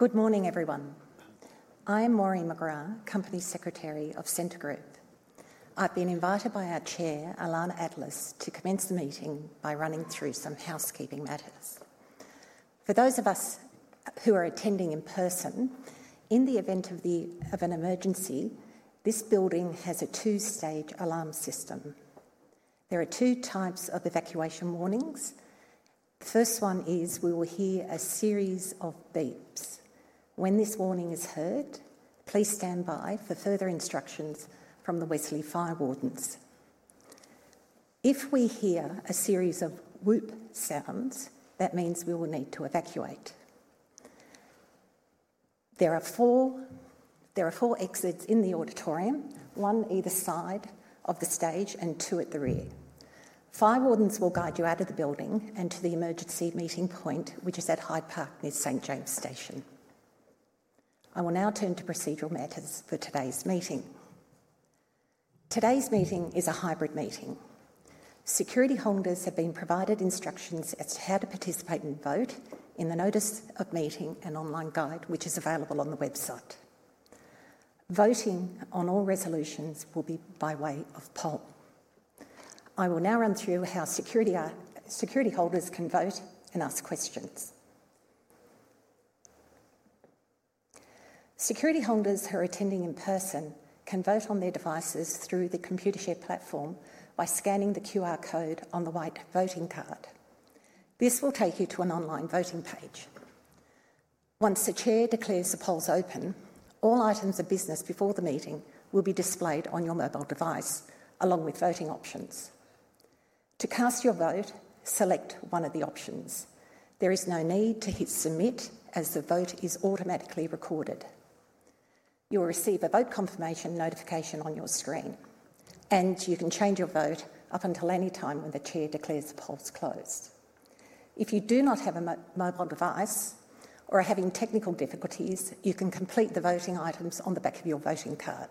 Good morning, everyone. I am Maureen McGrath, Company Secretary of Scentre Group. I've been invited by our Chair, Ilana Atlas, to commence the meeting by running through some housekeeping matters. For those of us who are attending in person, in the event of an emergency, this building has a two-stage alarm system. There are two types of evacuation warnings. The first one is we will hear a series of beeps. When this warning is heard, please stand by for further instructions from the Wesley Fire Wardens. If we hear a series of whoop sounds, that means we will need to evacuate. There are four exits in the auditorium, one either side of the stage and two at the rear. Fire Wardens will guide you out of the building and to the emergency meeting point, which is at Hyde Park near St. James Station. I will now turn to procedural matters for today's meeting. Today's meeting is a hybrid meeting. Security holders have been provided instructions as to how to participate and vote in the Notice of Meeting and online guide, which is available on the website. Voting on all resolutions will be by way of poll. I will now run through how security holders can vote and ask questions. Security holders who are attending in person can vote on their devices through the Computershare platform by scanning the QR code on the white voting card. This will take you to an online voting page. Once the Chair declares the polls open, all items of business before the meeting will be displayed on your mobile device along with voting options. To cast your vote, select one of the options. There is no need to hit submit, as the vote is automatically recorded. You will receive a vote confirmation notification on your screen, and you can change your vote up until any time when the Chair declares the polls closed. If you do not have a mobile device or are having technical difficulties, you can complete the voting items on the back of your voting card.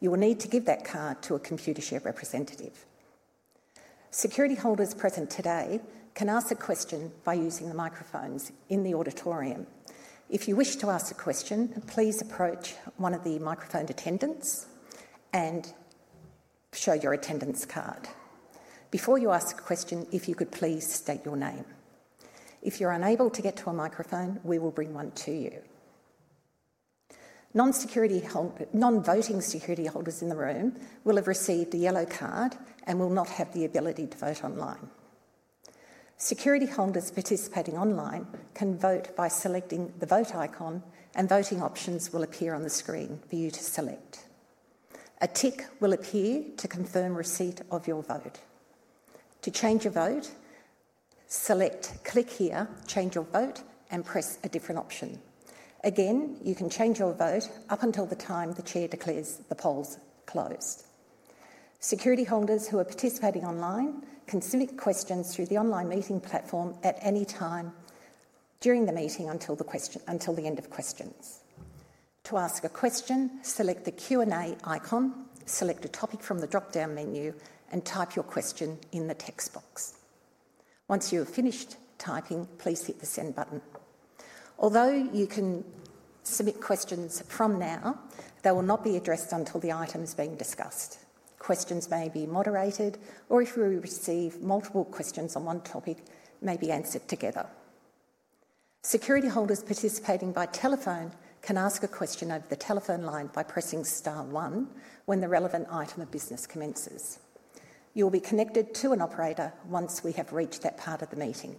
You will need to give that card to a Computershare representative. Security holders present today can ask a question by using the microphones in the auditorium. If you wish to ask a question, please approach one of the microphone attendants and show your attendance card. Before you ask a question, if you could please state your name. If you're unable to get to a microphone, we will bring one to you. Non-voting security holders in the room will have received a yellow card and will not have the ability to vote online. Security holders participating online can vote by selecting the vote icon, and voting options will appear on the screen for you to select. A tick will appear to confirm receipt of your vote. To change your vote, select Click Here, Change Your Vote, and press a different option. You can change your vote up until the time the Chair declares the polls closed. Security holders who are participating online can submit questions through the online meeting platform at any time during the meeting until the end of questions. To ask a question, select the Q&A icon, select a topic from the drop-down menu, and type your question in the text box. Once you have finished typing, please hit the Send button. Although you can submit questions from now, they will not be addressed until the item is being discussed. Questions may be moderated, or if you receive multiple questions on one topic, may be answered together. Security holders participating by telephone can ask a question over the telephone line by pressing star one when the relevant item of business commences. You will be connected to an operator once we have reached that part of the meeting.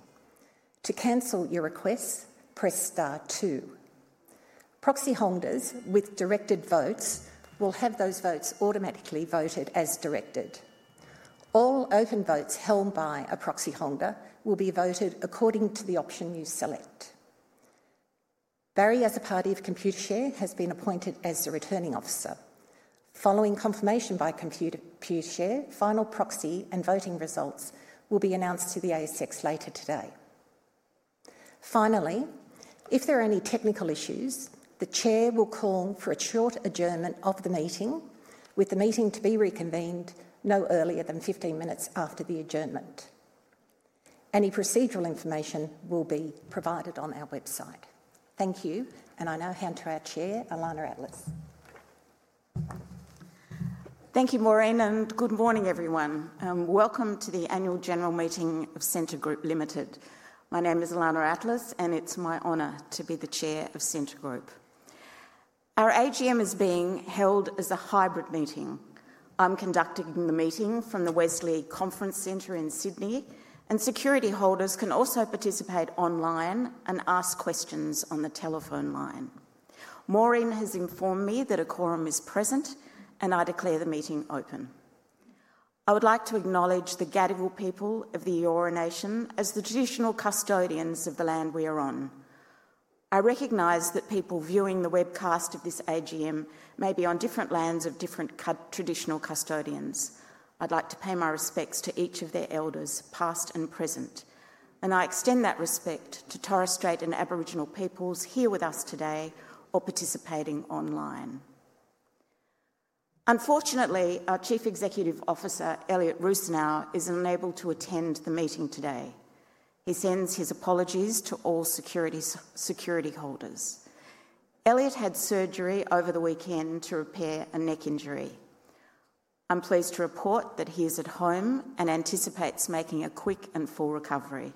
To cancel your request, press star two. Proxy holders with directed votes will have those votes automatically voted as directed. All open votes held by a proxy holder will be voted according to the option you select. Barry, as a party of Computershare, has been appointed as the returning officer. Following confirmation by Computershare, final proxy and voting results will be announced to the ASX later today. Finally, if there are any technical issues, the Chair will call for a short adjournment of the meeting, with the meeting to be reconvened no earlier than 15 minutes after the adjournment. Any procedural information will be provided on our website. Thank you, and I now hand to our Chair, Ilana Atlas. Thank you, Maureen, and good morning, everyone. Welcome to the annual general meeting of Scentre Group Limited. My name is Ilana Atlas, and it's my honor to be the Chair of Scentre Group. Our AGM is being held as a hybrid meeting. I'm conducting the meeting from the Wesley Conference Centre in Sydney, and security holders can also participate online and ask questions on the telephone line. Maureen has informed me that a quorum is present, and I declare the meeting open. I would like to acknowledge the Gadigal people of the Eora Nation as the traditional custodians of the land we are on. I recognize that people viewing the webcast of this AGM may be on different lands of different traditional custodians. I'd like to pay my respects to each of their elders, past and present, and I extend that respect to Torres Strait and Aboriginal peoples here with us today or participating online. Unfortunately, our Chief Executive Officer, Elliott Rusanow, is unable to attend the meeting today. He sends his apologies to all security holders. Elliott had surgery over the weekend to repair a neck injury. I'm pleased to report that he is at home and anticipates making a quick and full recovery.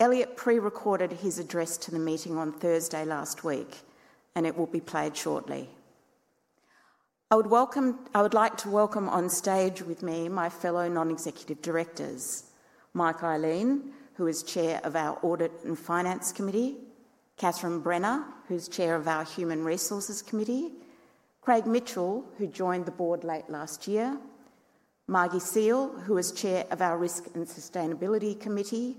Elliott pre-recorded his address to the meeting on Thursday last week, and it will be played shortly. I would like to welcome on stage with me my fellow non-executive directors, Mike Ihlein, who is Chair of our Audit and Finance Committee, Catherine Brenner, who's Chair of our Human Resources Committee, Craig Mitchell, who joined the board late last year, Margie Seale, who is Chair of our Risk and Sustainability Committee,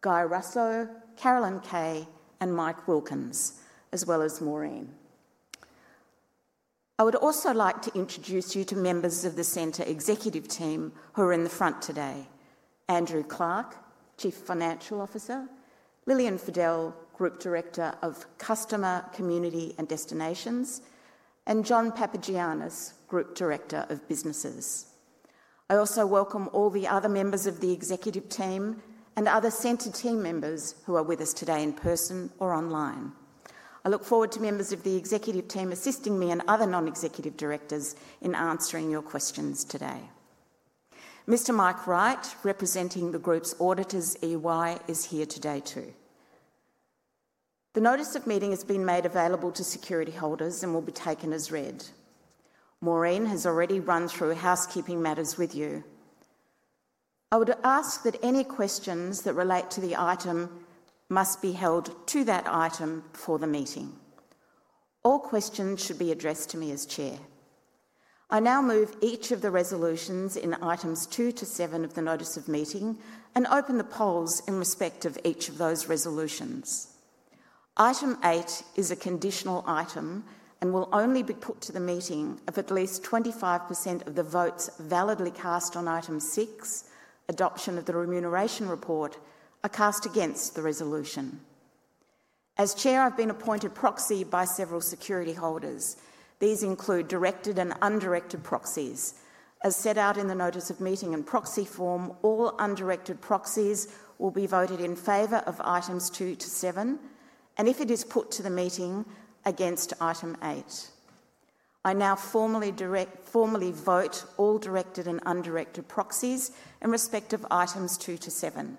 Guy Russo, Carolyn Kay, and Mike Wilkins, as well as Maureen. I would also like to introduce you to members of the Scentre Executive Team who are in the front today: Andrew Clarke, Chief Financial Officer, Lillian Fadel, Group Director of Customer, Community and Destinations, and John Papagiannis, Group Director of Businesses. I also welcome all the other members of the Executive Team and other Scentre team members who are with us today in person or online. I look forward to members of the Executive Team assisting me and other non-executive directors in answering your questions today. Mr. Mike Wright, representing the Group's Auditors, EY, is here today too. The Notice of Meeting has been made available to security holders and will be taken as read. Maureen has already run through housekeeping matters with you. I would ask that any questions that relate to the item must be held to that item for the meeting. All questions should be addressed to me as Chair. I now move each of the resolutions in items two to seven of the Notice of Meeting and open the polls in respect of each of those resolutions. Item eight is a conditional item and will only be put to the meeting if at least 25% of the votes validly cast on item six, adoption of the remuneration report, are cast against the resolution. As Chair, I've been appointed proxy by several security holders. These include directed and undirected proxies. As set out in the Notice of Meeting and proxy form, all undirected proxies will be voted in favor of items two to seven, and if it is put to the meeting, against item eight. I now formally vote all directed and undirected proxies in respect of items two to seven.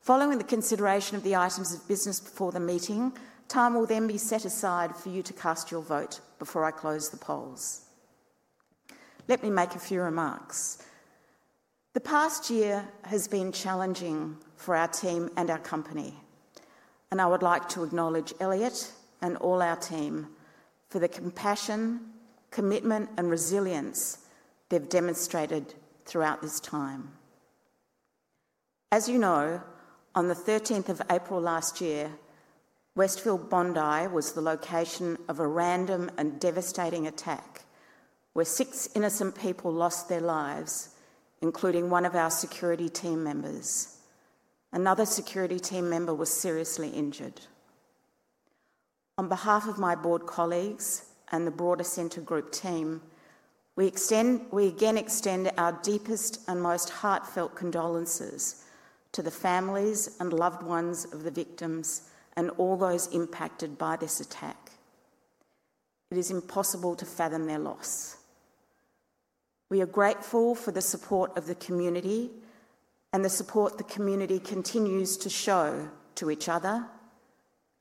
Following the consideration of the items of business before the meeting, time will then be set aside for you to cast your vote before I close the polls. Let me make a few remarks. The past year has been challenging for our team and our company, and I would like to acknowledge Elliott and all our team for the compassion, commitment, and resilience they've demonstrated throughout this time. As you know, on the 13th of April last year, Westfield Bondi was the location of a random and devastating attack where six innocent people lost their lives, including one of our security team members. Another security team member was seriously injured. On behalf of my board colleagues and the broader Scentre Group team, we again extend our deepest and most heartfelt condolences to the families and loved ones of the victims and all those impacted by this attack. It is impossible to fathom their loss. We are grateful for the support of the community and the support the community continues to show to each other,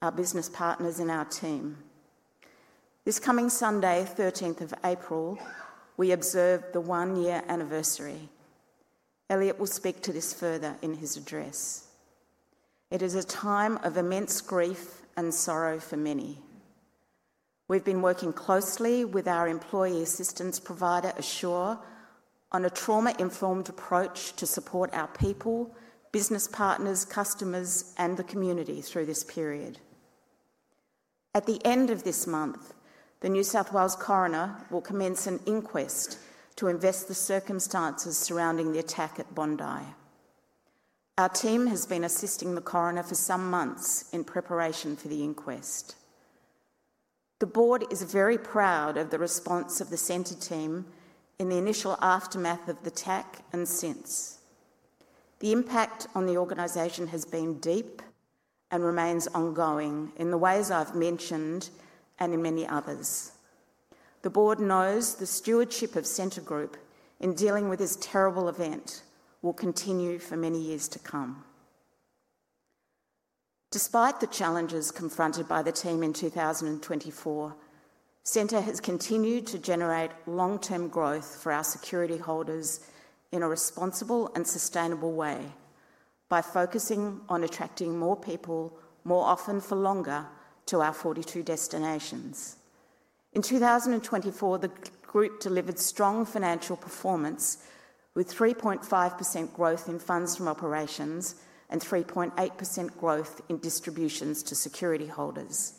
our business partners, and our team. This coming Sunday, 13th of April, we observe the one-year anniversary. Elliott will speak to this further in his address. It is a time of immense grief and sorrow for many. We've been working closely with our employee assistance provider, Assure, on a trauma-informed approach to support our people, business partners, customers, and the community through this period. At the end of this month, the New South Wales Coroner will commence an inquest to investigate the circumstances surrounding the attack at Bondi. Our team has been assisting the Coroner for some months in preparation for the inquest. The board is very proud of the response of the Scentre team in the initial aftermath of the attack and since. The impact on the organization has been deep and remains ongoing in the ways I've mentioned and in many others. The board knows the stewardship of Scentre Group in dealing with this terrible event will continue for many years to come. Despite the challenges confronted by the team in 2024, Scentre has continued to generate long-term growth for our security holders in a responsible and sustainable way by focusing on attracting more people, more often for longer, to our 42 destinations. In 2024, the Group delivered strong financial performance with 3.5% growth in funds from operations and 3.8% growth in distributions to security holders.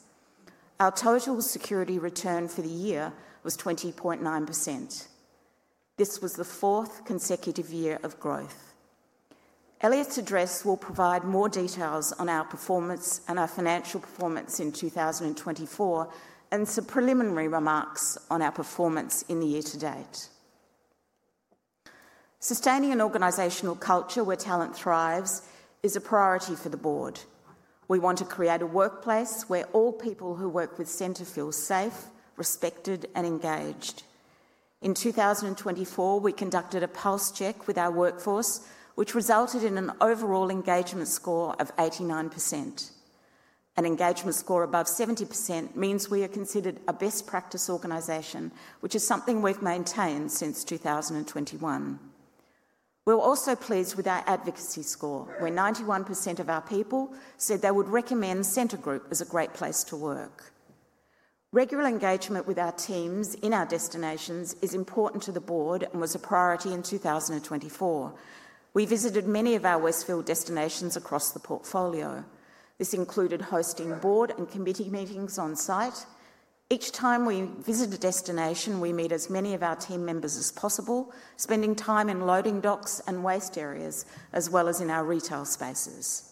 Our total security return for the year was 20.9%. This was the fourth consecutive year of growth. Elliott's address will provide more details on our performance and our financial performance in 2024 and some preliminary remarks on our performance in the year to date. Sustaining an organizational culture where talent thrives is a priority for the board. We want to create a workplace where all people who work with Scentre feel safe, respected, and engaged. In 2024, we conducted a pulse check with our workforce, which resulted in an overall engagement score of 89%. An engagement score above 70% means we are considered a best practice organization, which is something we've maintained since 2021. We're also pleased with our advocacy score, where 91% of our people said they would recommend Scentre Group as a great place to work. Regular engagement with our teams in our destinations is important to the board and was a priority in 2024. We visited many of our Westfield destinations across the portfolio. This included hosting board and committee meetings on site. Each time we visit a destination, we meet as many of our team members as possible, spending time in loading docks and waste areas, as well as in our retail spaces.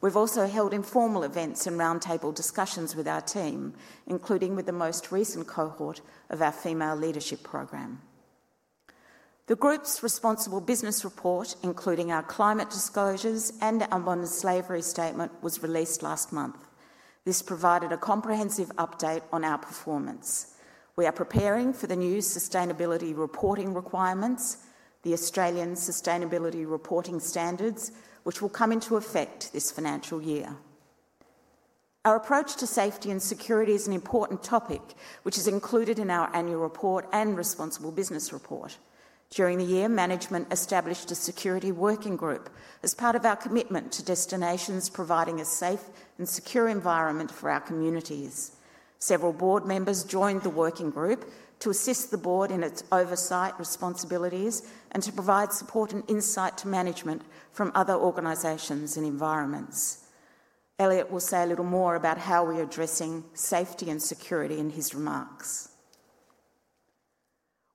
We've also held informal events and roundtable discussions with our team, including with the most recent cohort of our female leadership program. The Group's Responsible Business Report, including our climate disclosures and our modern slavery statement, was released last month. This provided a comprehensive update on our performance. We are preparing for the new sustainability reporting requirements, the Australian Sustainability Reporting Standards, which will come into effect this financial year. Our approach to safety and security is an important topic, which is included in our annual report and Responsible Business Report. During the year, management established a security working group as part of our commitment to destinations providing a safe and secure environment for our communities. Several board members joined the working group to assist the board in its oversight responsibilities and to provide support and insight to management from other organizations and environments. Elliott will say a little more about how we are addressing safety and security in his remarks.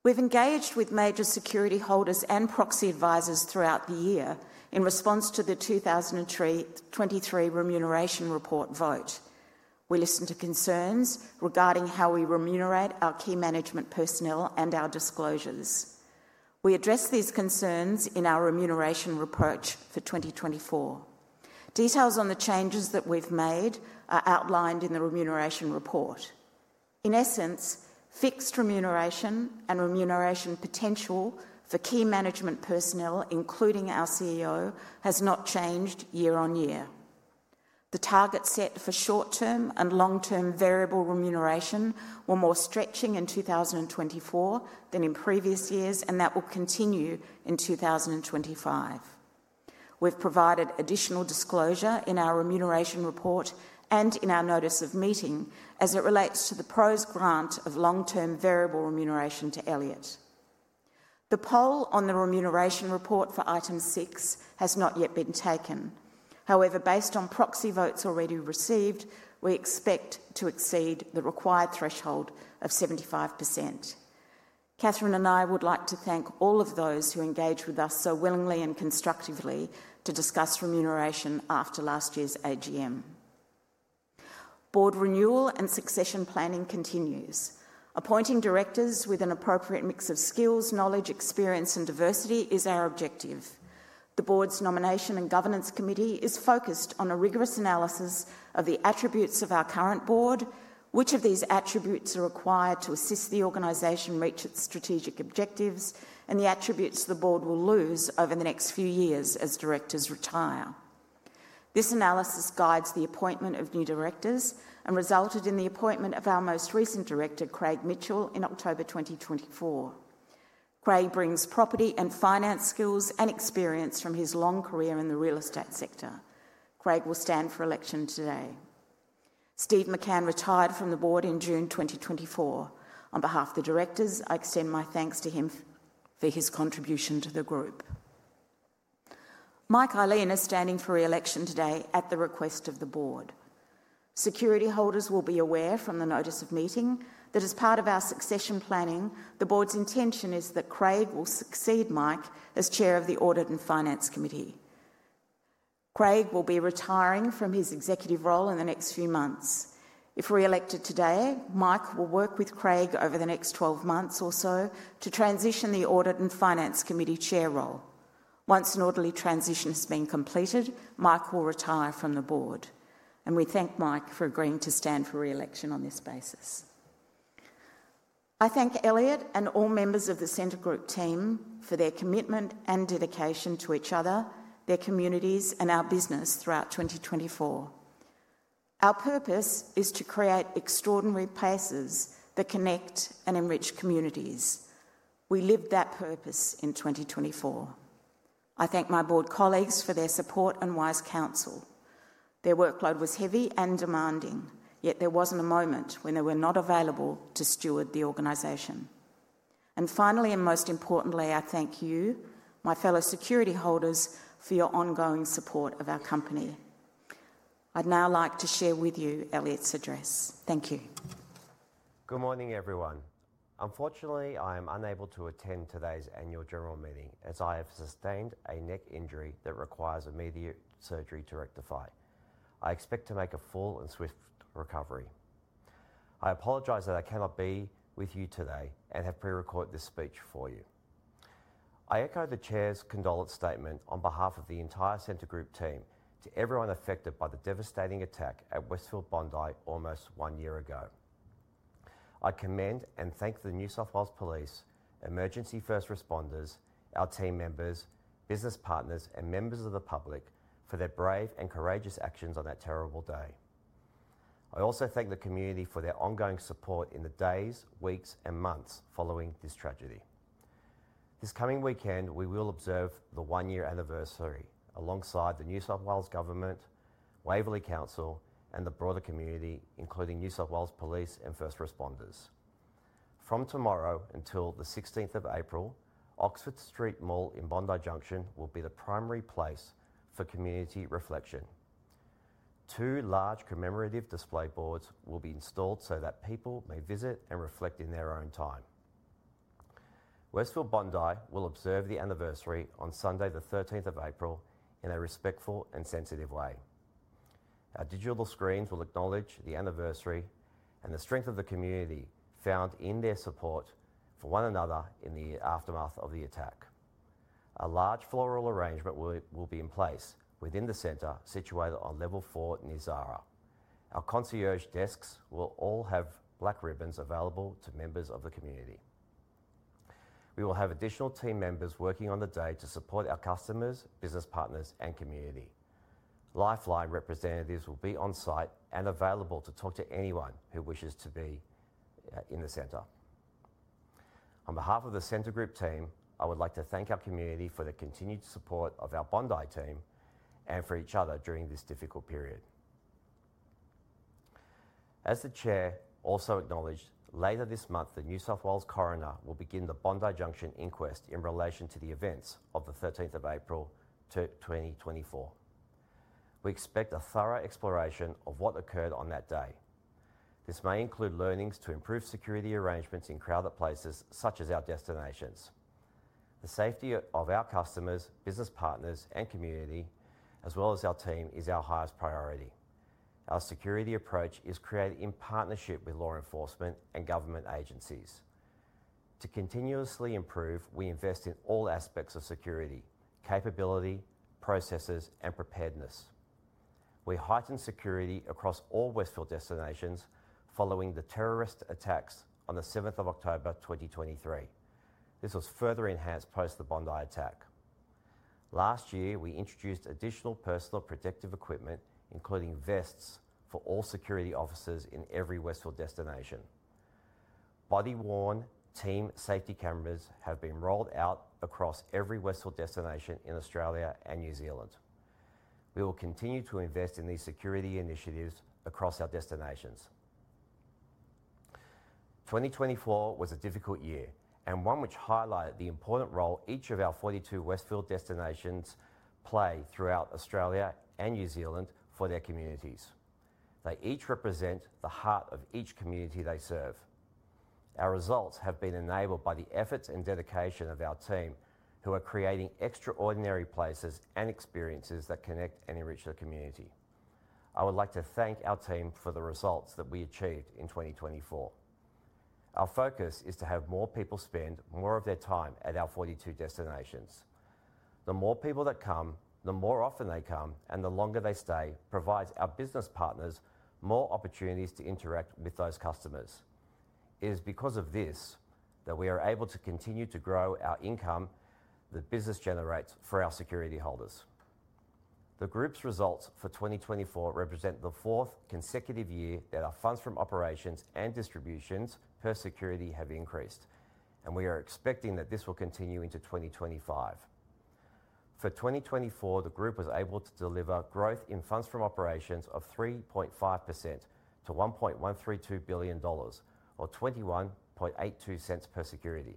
We have engaged with major security holders and proxy advisors throughout the year in response to the 2023 remuneration report vote. We listened to concerns regarding how we remunerate our key management personnel and our disclosures. We addressed these concerns in our remuneration approach for 2024. Details on the changes that we have made are outlined in the remuneration report. In essence, fixed remuneration and remuneration potential for key management personnel, including our CEO, has not changed year on year. The targets set for short-term and long-term variable remuneration were more stretching in 2024 than in previous years, and that will continue in 2025. We have provided additional disclosure in our remuneration report and in our Notice of Meeting as it relates to the proposed grant of long-term variable remuneration to Elliott. The poll on the remuneration report for item six has not yet been taken. However, based on proxy votes already received, we expect to exceed the required threshold of 75%. Catherine and I would like to thank all of those who engaged with us so willingly and constructively to discuss remuneration after last year's AGM. Board renewal and succession planning continues. Appointing directors with an appropriate mix of skills, knowledge, experience, and diversity is our objective. The Board's Nomination and Governance Committee is focused on a rigorous analysis of the attributes of our current board, which of these attributes are required to assist the organization reach its strategic objectives, and the attributes the board will lose over the next few years as directors retire. This analysis guides the appointment of new directors and resulted in the appointment of our most recent director, Craig Mitchell, in October 2024. Craig brings property and finance skills and experience from his long career in the real estate sector. Craig will stand for election today. Steve McCann retired from the board in June 2024. On behalf of the directors, I extend my thanks to him for his contribution to the Group. Mike Ihlein is standing for re-election today at the request of the board. Security holders will be aware from the Notice of Meeting that as part of our succession planning, the board's intention is that Craig will succeed Mike as Chair of the Audit and Finance Committee. Craig will be retiring from his executive role in the next few months. If re-elected today, Mike will work with Craig over the next 12 months or so to transition the Audit and Finance Committee Chair role. Once an orderly transition has been completed, Mike will retire from the board. We thank Mike for agreeing to stand for re-election on this basis. I thank Elliott and all members of the Scentre Group team for their commitment and dedication to each other, their communities, and our business throughout 2024. Our purpose is to create extraordinary places that connect and enrich communities. We lived that purpose in 2024. I thank my board colleagues for their support and wise counsel. Their workload was heavy and demanding, yet there was not a moment when they were not available to steward the organization. Finally, and most importantly, I thank you, my fellow security holders, for your ongoing support of our company. I'd now like to share with you Elliott's address. Thank you. Good morning, everyone. Unfortunately, I am unable to attend today's annual general meeting as I have sustained a neck injury that requires immediate surgery to rectify. I expect to make a full and swift recovery. I apologize that I cannot be with you today and have pre-recorded this speech for you. I echo the Chair's condolence statement on behalf of the entire Scentre Group team to everyone affected by the devastating attack at Westfield Bondi almost one year ago. I commend and thank the New South Wales Police, emergency first responders, our team members, business partners, and members of the public for their brave and courageous actions on that terrible day. I also thank the community for their ongoing support in the days, weeks, and months following this tragedy. This coming weekend, we will observe the one-year anniversary alongside the New South Wales Government, Waverley Council, and the broader community, including New South Wales Police and first responders. From tomorrow until the 16th of April, Oxford Street Mall in Bondi Junction will be the primary place for community reflection. Two large commemorative display boards will be installed so that people may visit and reflect in their own time. Westfield Bondi will observe the anniversary on Sunday, the 13th of April, in a respectful and sensitive way. Our digital screens will acknowledge the anniversary and the strength of the community found in their support for one another in the aftermath of the attack. A large floral arrangement will be in place within the center, situated on Level 4 near Zara. Our concierge desks will all have black ribbons available to members of the community. We will have additional team members working on the day to support our customers, business partners, and community. Lifeline representatives will be on site and available to talk to anyone who wishes to be in the center. On behalf of the Scentre Group team, I would like to thank our community for the continued support of our Bondi team and for each other during this difficult period. As the Chair also acknowledged, later this month, the New South Wales Coroner will begin the Bondi Junction inquest in relation to the events of the 13th of April 2024. We expect a thorough exploration of what occurred on that day. This may include learnings to improve security arrangements in crowded places such as our destinations. The safety of our customers, business partners, and community, as well as our team, is our highest priority. Our security approach is created in partnership with law enforcement and government agencies. To continuously improve, we invest in all aspects of security, capability, processes, and preparedness. We heightened security across all Westfield destinations following the terrorist attacks on the 7th of October 2023. This was further enhanced post the Bondi attack. Last year, we introduced additional personal protective equipment, including vests, for all security officers in every Westfield destination. Body-worn team safety cameras have been rolled out across every Westfield destination in Australia and New Zealand. We will continue to invest in these security initiatives across our destinations. 2024 was a difficult year and one which highlighted the important role each of our 42 Westfield destinations play throughout Australia and New Zealand for their communities. They each represent the heart of each community they serve. Our results have been enabled by the efforts and dedication of our team, who are creating extraordinary places and experiences that connect and enrich the community. I would like to thank our team for the results that we achieved in 2024. Our focus is to have more people spend more of their time at our 42 destinations. The more people that come, the more often they come, and the longer they stay provides our business partners more opportunities to interact with those customers. It is because of this that we are able to continue to grow our income that business generates for our security holders. The Group's results for 2024 represent the fourth consecutive year that our funds from operations and distributions per security have increased, and we are expecting that this will continue into 2025. For 2024, the Group was able to deliver growth in funds from operations of 3.5% to 1.132 billion dollars, or 21.82 per security.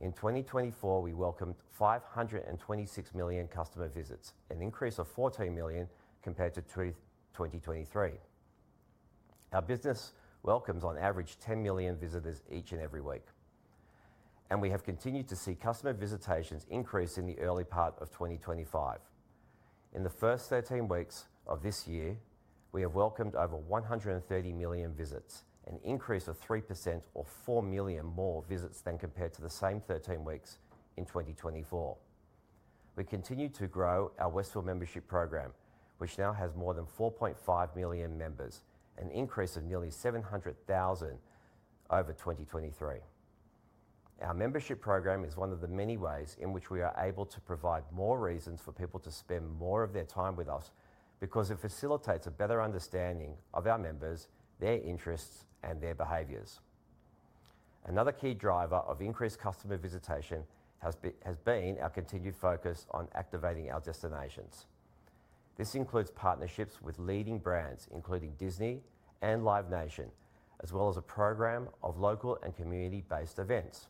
In 2024, we welcomed 526 million customer visits, an increase of 14 million compared to 2023. Our business welcomes on average 10 million visitors each and every week, and we have continued to see customer visitations increase in the early part of 2025. In the first 13 weeks of this year, we have welcomed over 130 million visits, an increase of 3%, or 4 million more visits than compared to the same 13 weeks in 2024. We continue to grow our Westfield membership program, which now has more than 4.5 million members, an increase of nearly 700,000 over 2023. Our membership program is one of the many ways in which we are able to provide more reasons for people to spend more of their time with us because it facilitates a better understanding of our members, their interests, and their behaviors. Another key driver of increased customer visitation has been our continued focus on activating our destinations. This includes partnerships with leading brands, including Disney and Live Nation, as well as a program of local and community-based events.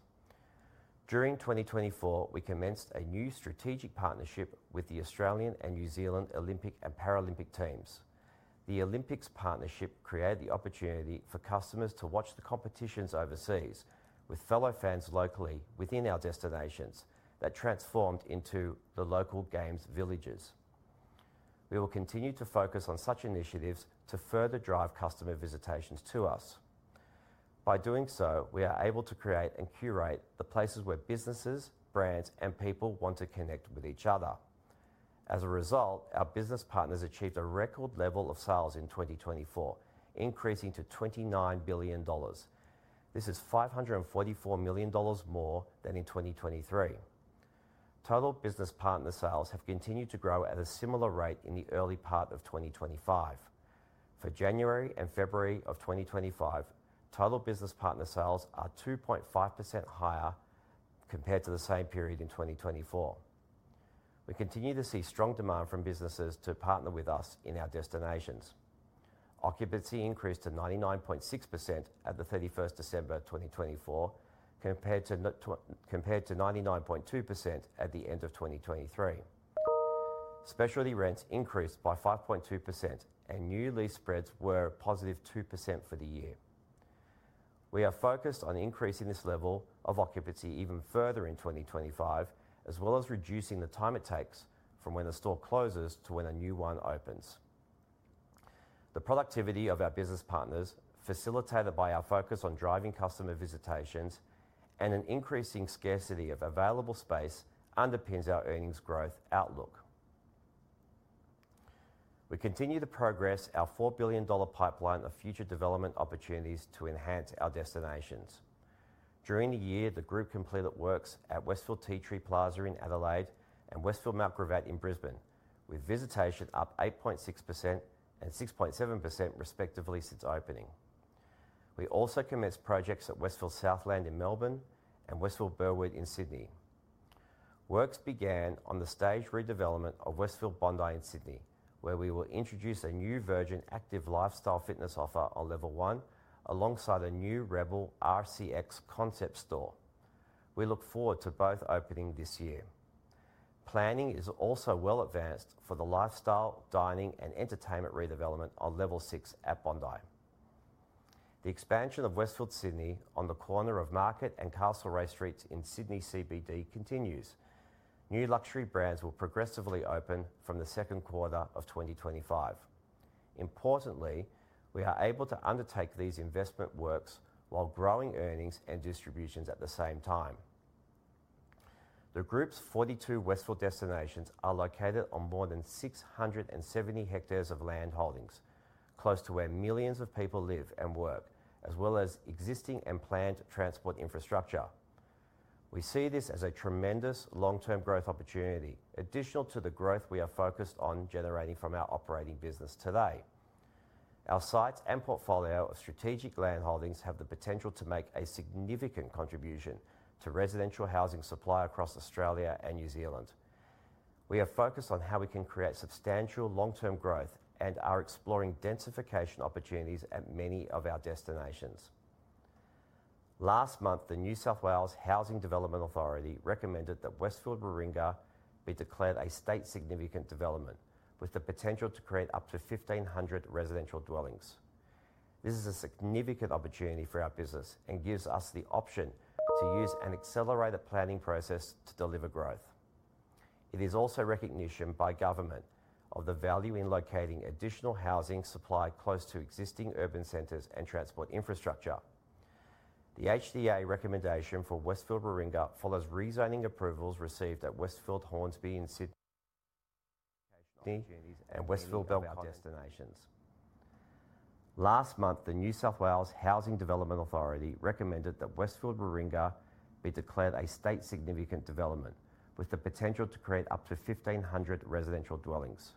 During 2024, we commenced a new strategic partnership with the Australian and New Zealand Olympic and Paralympic teams. The Olympics partnership created the opportunity for customers to watch the competitions overseas with fellow fans locally within our destinations that transformed into the local games villages. We will continue to focus on such initiatives to further drive customer visitations to us. By doing so, we are able to create and curate the places where businesses, brands, and people want to connect with each other. As a result, our business partners achieved a record level of sales in 2024, increasing to 29 billion dollars. This is 544 million dollars more than in 2023. Total business partner sales have continued to grow at a similar rate in the early part of 2025. For January and February of 2025, total business partner sales are 2.5% higher compared to the same period in 2024. We continue to see strong demand from businesses to partner with us in our destinations. Occupancy increased to 99.6% at the 31st of December 2024, compared to 99.2% at the end of 2023. Specialty rents increased by 5.2%, and new lease spreads were positive 2% for the year. We are focused on increasing this level of occupancy even further in 2025, as well as reducing the time it takes from when a store closes to when a new one opens. The productivity of our business partners, facilitated by our focus on driving customer visitations and an increasing scarcity of available space, underpins our earnings growth outlook. We continue to progress our 4 billion dollar pipeline of future development opportunities to enhance our destinations. During the year, the Group completed works at Westfield Tea Tree Plaza in Adelaide and Westfield Mount Gravatt in Brisbane, with visitation up 8.6% and 6.7% respectively since opening. We also commenced projects at Westfield Southland in Melbourne and Westfield Burwood in Sydney. Works began on the stage redevelopment of Westfield Bondi in Sydney, where we will introduce a new Version Active lifestyle fitness offer on Level 1, alongside a new Rebel RCX concept store. We look forward to both opening this year. Planning is also well advanced for the lifestyle, dining, and entertainment redevelopment on Level 6 at Bondi. The expansion of Westfield Sydney on the corner of Market and Castlereagh Streets in Sydney CBD continues. New luxury brands will progressively open from the second quarter of 2025. Importantly, we are able to undertake these investment works while growing earnings and distributions at the same time. The Group's 42 Westfield destinations are located on more than 670 hectares of land holdings, close to where millions of people live and work, as well as existing and planned transport infrastructure. We see this as a tremendous long-term growth opportunity, additional to the growth we are focused on generating from our operating business today. Our sites and portfolio of strategic land holdings have the potential to make a significant contribution to residential housing supply across Australia and New Zealand. We are focused on how we can create substantial long-term growth and are exploring densification opportunities at many of our destinations. Last month, the New South Wales Housing Development Authority recommended that Westfield Warringah be declared a state significant development, with the potential to create up to 1,500 residential dwellings.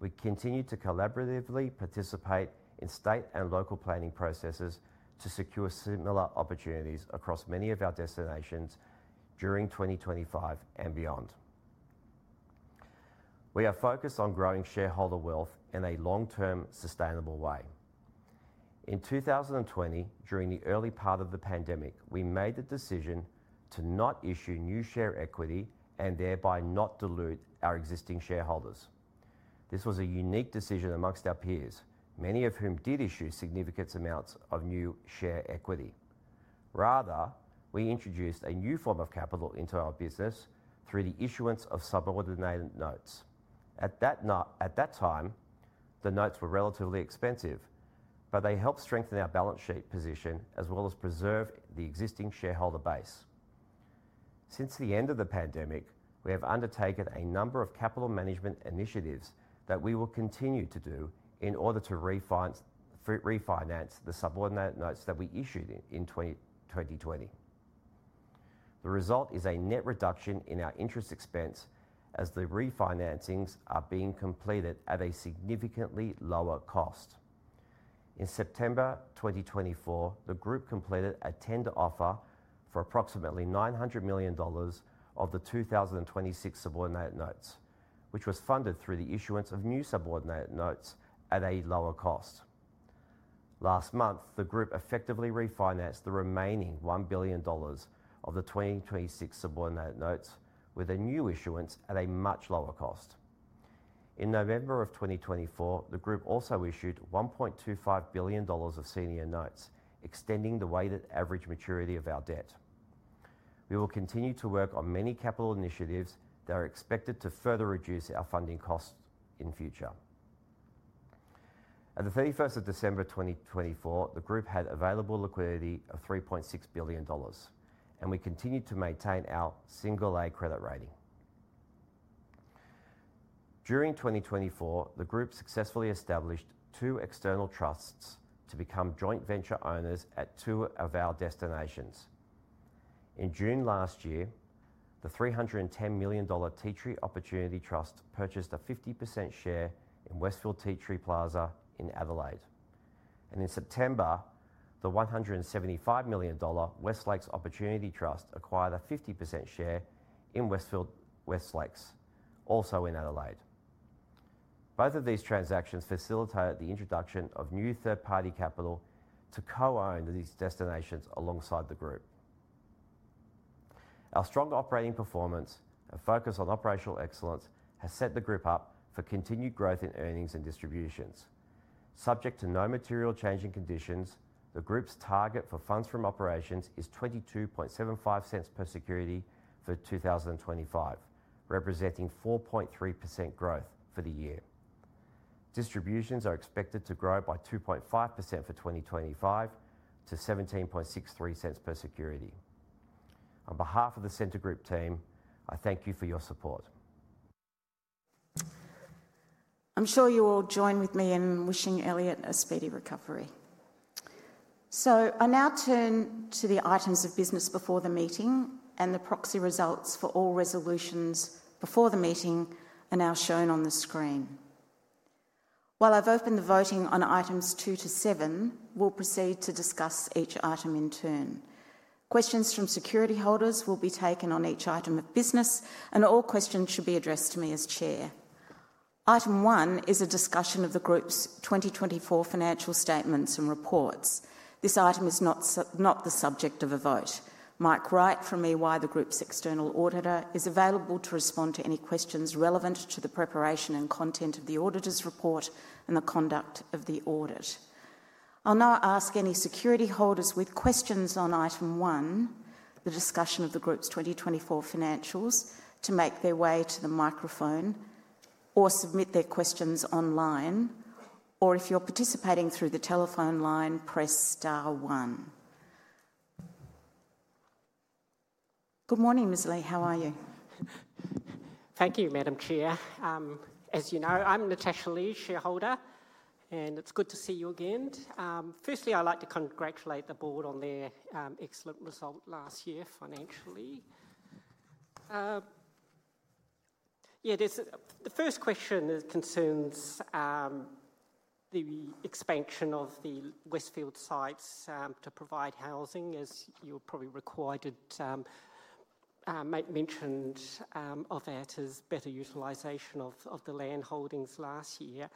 We continue to collaboratively participate in state and local planning processes to secure similar opportunities across many of our destinations during 2025 and beyond. We are focused on growing shareholder wealth in a long-term sustainable way. In 2020, during the early part of the pandemic, we made the decision to not issue new share equity and thereby not dilute our existing shareholders. This was a unique decision amongst our peers, many of whom did issue significant amounts of new share equity. Rather, we introduced a new form of capital into our business through the issuance of subordinated notes. At that time, the notes were relatively expensive, but they helped strengthen our balance sheet position as well as preserve the existing shareholder base. Since the end of the pandemic, we have undertaken a number of capital management initiatives that we will continue to do in order to refinance the subordinated notes that we issued in 2020. The result is a net reduction in our interest expense as the refinancings are being completed at a significantly lower cost. In September 2024, the Group completed a tender offer for approximately 900 million dollars of the 2026 subordinated notes, which was funded through the issuance of new subordinated notes at a lower cost. Last month, the Group effectively refinanced the remaining 1 billion dollars of the 2026 subordinated notes with a new issuance at a much lower cost. In November of 2024, the Group also issued 1.25 billion dollars of senior notes, extending the weighted average maturity of our debt. We will continue to work on many capital initiatives that are expected to further reduce our funding costs in future. At the 31st of December 2024, the Group had available liquidity of 3.6 billion dollars, and we continued to maintain our single-A credit rating. During 2024, the Group successfully established two external trusts to become joint venture owners at two of our destinations. In June last year, the 310 million dollar Tea Tree Opportunity Trust purchased a 50% share in Westfield Tea Tree Plaza in Adelaide. In September, the 175 million dollar West Lakes Opportunity Trust acquired a 50% share in Westfield West Lakes, also in Adelaide. Both of these transactions facilitated the introduction of new third-party capital to co-own these destinations alongside the Group. Our strong operating performance and focus on operational excellence has set the Group up for continued growth in earnings and distributions. Subject to no material change in conditions, the Group's target for funds from operations is 22.75 per security for 2025, representing 4.3% growth for the year. Distributions are expected to grow by 2.5% for 2025 to 17.63 per security. On behalf of the Scentre Group team, I thank you for your support. I am sure you all join with me in wishing Elliott a speedy recovery. I now turn to the items of business before the meeting, and the proxy results for all resolutions before the meeting are now shown on the screen. While I have opened the voting on items two to seven, we will proceed to discuss each item in turn. Questions from security holders will be taken on each item of business, and all questions should be addressed to me as Chair. Item one is a discussion of the Group's 2024 financial statements and reports. This item is not the subject of a vote. Mike Wright from EY, the Group's external auditor, is available to respond to any questions relevant to the preparation and content of the auditor's report and the conduct of the audit. I'll now ask any security holders with questions on item one, the discussion of the Group's 2024 financials, to make their way to the microphone or submit their questions online. If you're participating through the telephone line, press star one. Good morning, Ms. Lee. How are you? Thank you, Madam Chair. As you know, I'm Natasha Lee, shareholder, and it's good to see you again. Firstly, I'd like to congratulate the Board on their excellent result last year financially. Yeah, the first question concerns the expansion of the Westfield sites to provide housing, as you were probably required to mention of that as better utilization of the land holdings last year.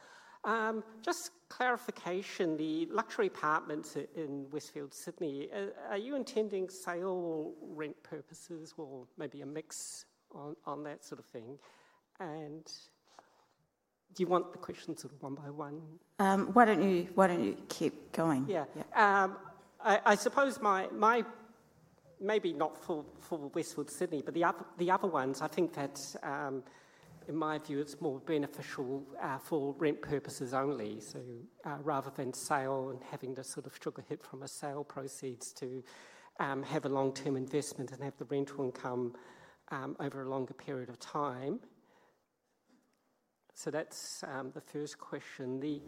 Just clarification, the luxury apartments in Westfield Sydney, are you intending to sale or rent purposes or maybe a mix on that sort of thing? Do you want the questions sort of one by one? Why don't you keep going? Yeah. I suppose my maybe not for Westfield Sydney, but the other ones, I think that in my view, it's more beneficial for rent purposes only. Rather than sale and having to sort of sugar it from a sale proceeds to have a long-term investment and have the rental income over a longer period of time. That's the first question. The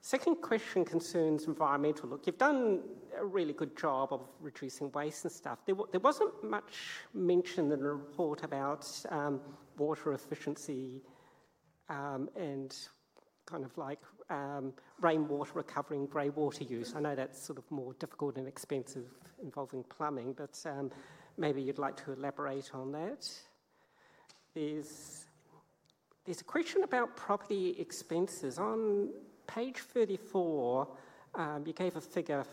second question concerns environmental look. You've done a really good job of reducing waste and stuff. There wasn't much mention in the report about water efficiency and kind of like rainwater recovering, grey water use. I know that's sort of more difficult and expensive involving plumbing, but maybe you'd like to elaborate on that. There's a question about property expenses. On page 34, you gave a figure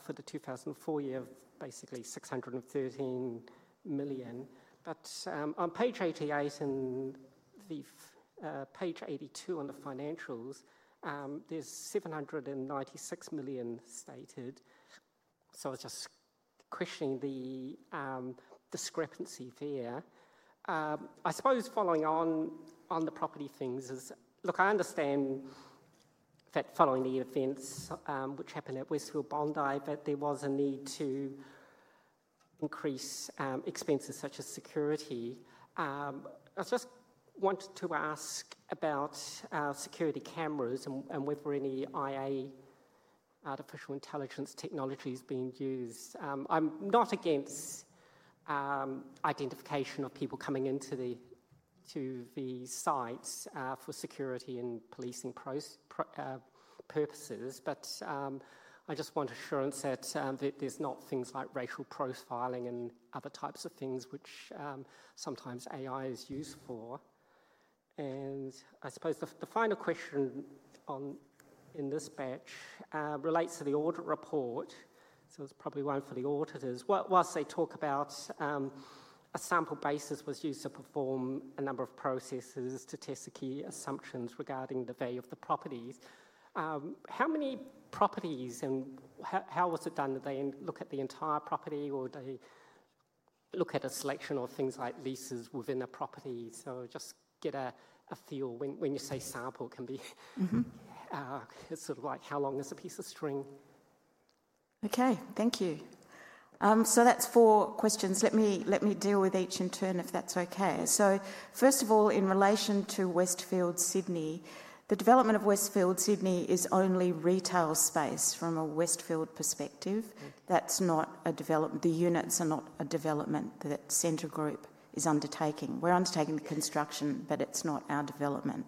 for the 2004 year of basically 613 million. But on page 88 and page 82 on the financials, there's 796 million stated. I was just questioning the discrepancy there. I suppose following on the property things is, look, I understand that following the events which happened at Westfield Bondi, that there was a need to increase expenses such as security. I just wanted to ask about security cameras and whether any AI artificial intelligence technology is being used. I'm not against identification of people coming into the sites for security and policing purposes, but I just want assurance that there's not things like racial profiling and other types of things which sometimes AI is used for. I suppose the final question in this batch relates to the audit report. It's probably one for the auditors. Whilst they talk about a sample basis was used to perform a number of processes to test the key assumptions regarding the value of the properties, how many properties and how was it done? Did they look at the entire property or did they look at a selection of things like leases within a property? Just get a feel when you say sample can be sort of like how long is a piece of string. Thank you. That's four questions. Let me deal with each in turn if that's okay. First of all, in relation to Westfield Sydney, the development of Westfield Sydney is only retail space from a Westfield perspective. That's not a development. The units are not a development that Scentre Group is undertaking. We're undertaking the construction, but it's not our development.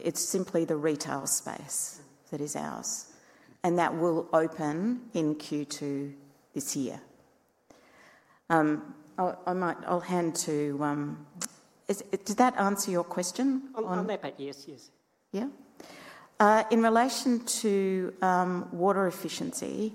It's simply the retail space that is ours. That will open in Q2 this year. I'll hand to, did that answer your question? On that back, yes, yes. Yeah? In relation to water efficiency,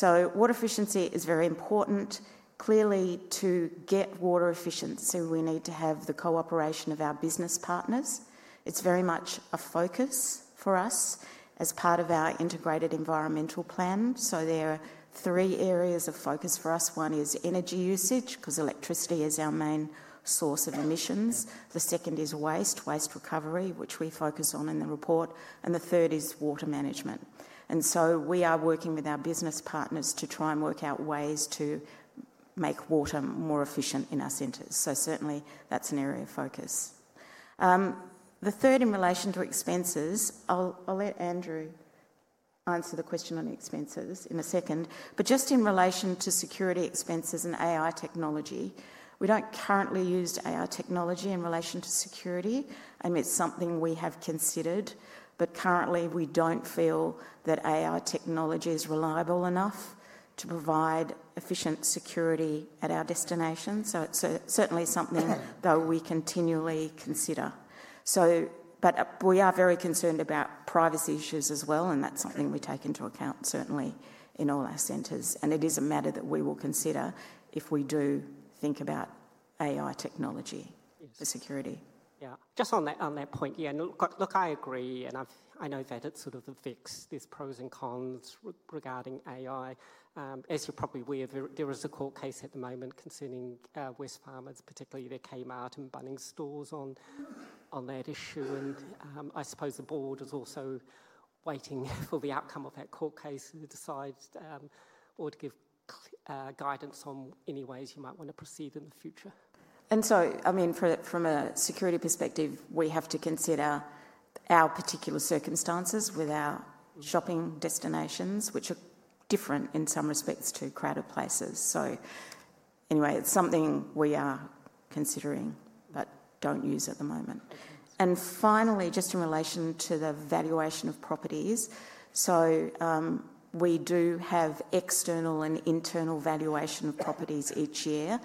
water efficiency is very important. Clearly, to get water efficiency, we need to have the cooperation of our business partners. It's very much a focus for us as part of our integrated environmental plan. There are three areas of focus for us. One is energy usage because electricity is our main source of emissions. The second is waste, waste recovery, which we focus on in the report. The third is water management. We are working with our business partners to try and work out ways to make water more efficient in our centers. Certainly, that is an area of focus. The third in relation to expenses, I'll let Andrew answer the question on expenses in a second. Just in relation to security expenses and AI technology, we do not currently use AI technology in relation to security. I mean, it is something we have considered, but currently we do not feel that AI technology is reliable enough to provide efficient security at our destination. It is certainly something that we continually consider. We are very concerned about privacy issues as well, and that is something we take into account certainly in all our centers. It is a matter that we will consider if we do think about AI technology for security. Yeah, just on that point, Yeah. Look, I agree, and I know that it's sort of the fix, these pros and cons regarding AI. As you're probably aware, there is a court case at the moment concerning Wesfarmers, particularly their Kmart and Bunnings stores on that issue. I suppose the Board is also waiting for the outcome of that court case to decide or to give guidance on any ways you might want to proceed in the future. I mean, from a security perspective, we have to consider our particular circumstances with our shopping destinations, which are different in some respects to crowded places. Anyway, it's something we are considering but don't use at the moment. Finally, just in relation to the valuation of properties, we do have external and internal valuation of properties each year.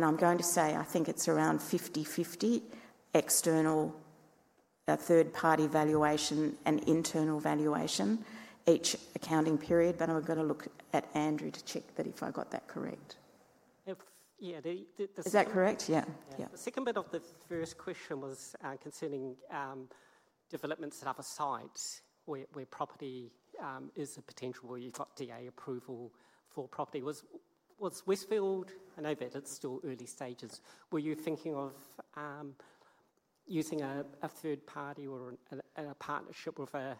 I think it's around 50-50 external, third-party valuation and internal valuation each accounting period. I'm going to look at Andrew to check that if I got that correct. Yeah, the second bit of the first question was concerning developments that have a site where property is a potential where you've got DA approval for property. Was Westfield, I know that it's still early stages, were you thinking of using a third party or a partnership with a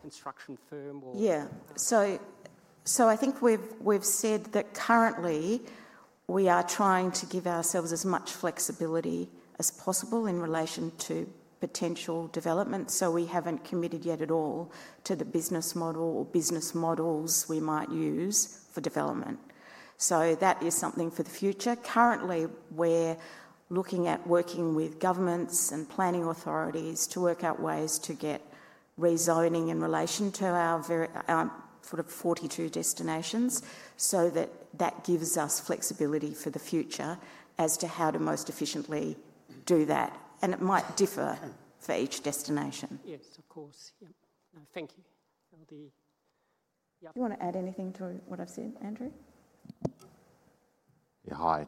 construction firm? Yeah, I think we've said that currently we are trying to give ourselves as much flexibility as possible in relation to potential development. We haven't committed yet at all to the business model or business models we might use for development. That is something for the future. Currently, we're looking at working with governments and planning authorities to work out ways to get rezoning in relation to our sort of 42 destinations so that gives us flexibility for the future as to how to most efficiently do that. It might differ for each destination. Yes, of course. Yep. No, thank you. Do you want to add anything to what I've said, Andrew? Yeah, hi.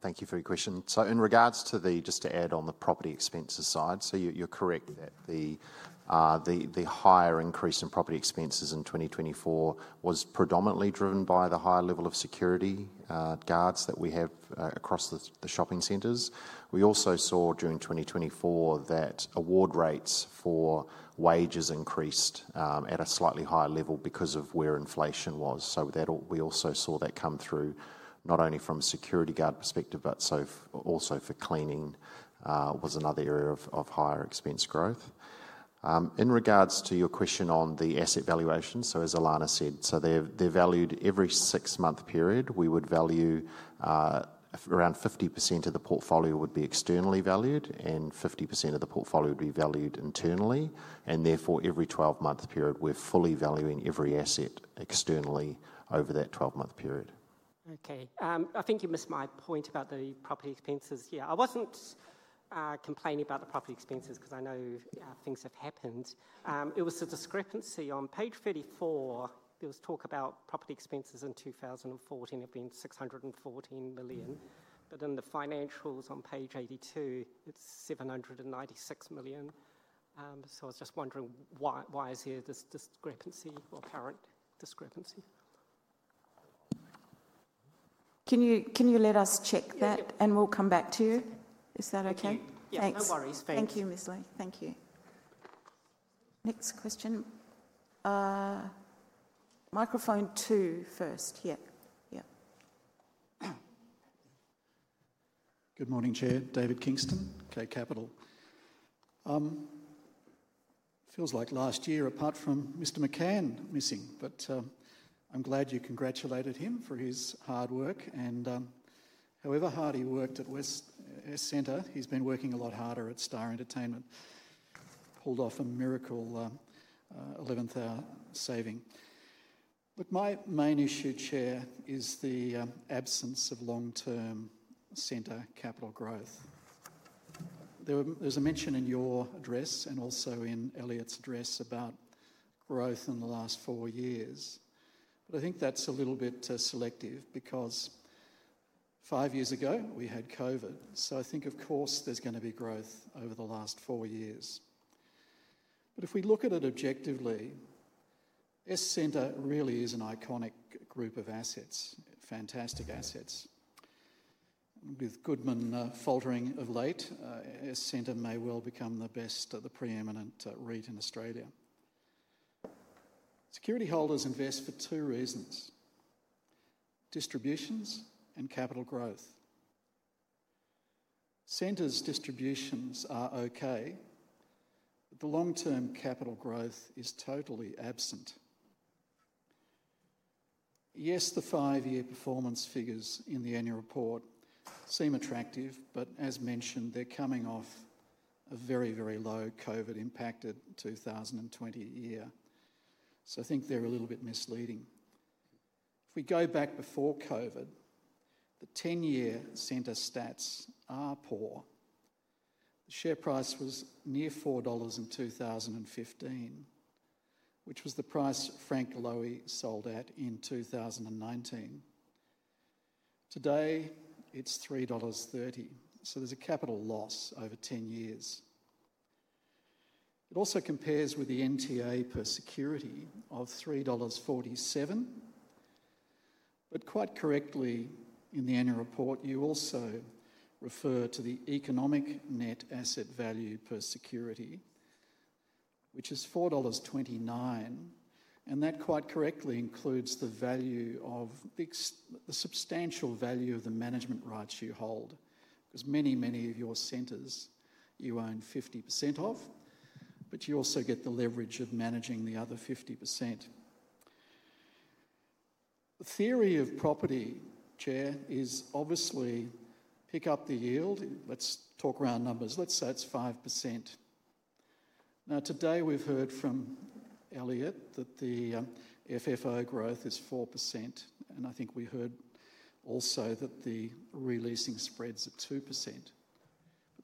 Thank you for your question. In regards to the just to add on the property expenses side, you're correct that the higher increase in property expenses in 2024 was predominantly driven by the higher level of security guards that we have across the shopping centers. We also saw during 2024 that award rates for wages increased at a slightly higher level because of where inflation was. We also saw that come through not only from a security guard perspective, but also for cleaning was another area of higher expense growth. In regards to your question on the asset valuation, as Ilana said, they are valued every six-month period. We would value around 50% of the portfolio externally and 50% of the portfolio internally. Therefore, every 12-month period, we are fully valuing every asset externally over that 12-month period. Okay. I think you missed my point about the property expenses. I was not complaining about the property expenses because I know things have happened. It was a discrepancy on page 34. There was talk about property expenses in 2014 having been 614 million, but in the financials on page 82, it is 796 million. I was just wondering why is there this discrepancy or current discrepancy? Can you let us check that and we'll come back to you? Is that okay? Yeah, no worries. Thank you, Ms. Lee. Thank you. Next question. Microphone two first. Yeah. Yeah. Good morning, Chair. David Kingston, K Capital. Feels like last year, apart from Mr. McCann missing, but I'm glad you congratulated him for his hard work. However hard he worked at Westfield Centre, he's been working a lot harder at Star Entertainment. Pulled off a miracle 11th hour saving. Look, my main issue, Chair, is the absence of long-term Centre Capital growth. There was a mention in your address and also in Elliott's address about growth in the last four years. I think that's a little bit selective because five years ago we had COVID. I think, of course, there's going to be growth over the last four years. If we look at it objectively, Scentre really is an iconic group of assets, fantastic assets. With Goodman faltering of late, Scentre may well become the best, the preeminent REIT in Australia. Security holders invest for two reasons: distributions and capital growth. Scentre's distributions are okay, but the long-term capital growth is totally absent. Yes, the five-year performance figures in the annual report seem attractive, but as mentioned, they're coming off a very, very low COVID-impacted 2020 year. I think they're a little bit misleading. If we go back before COVID, the 10-year Scentre stats are poor. The share price was near 4 dollars in 2015, which was the price Frank Lowy sold at in 2019. Today, it's 3.30 dollars. There's a capital loss over 10 years. It also compares with the NTA per security of 3.47 dollars. Quite correctly in the annual report, you also refer to the economic net asset value per security, which is 4.29 dollars. That quite correctly includes the value of the substantial value of the management rights you hold because many, many of your centers you own 50% of, but you also get the leverage of managing the other 50%. The theory of property, Chair, is obviously pick up the yield. Let's talk round numbers. Let's say it's 5%. Now, today we've heard from Elliott that the FFO growth is 4%. I think we heard also that the releasing spreads are 2%.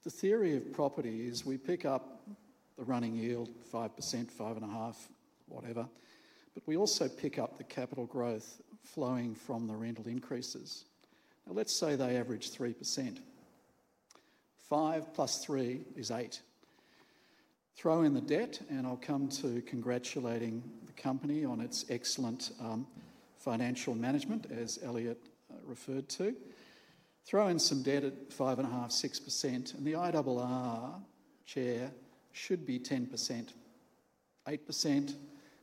The theory of property is we pick up the running yield, 5%, 5.5%, whatever. We also pick up the capital growth flowing from the rental increases. Let's say they average 3%. 5 + 3 is 8. Throw in the debt, and I'll come to congratulating the company on its excellent financial management, as Elliott referred to. Throw in some debt at 5.5%-6%. And the IRR, Chair, should be 10%. 8%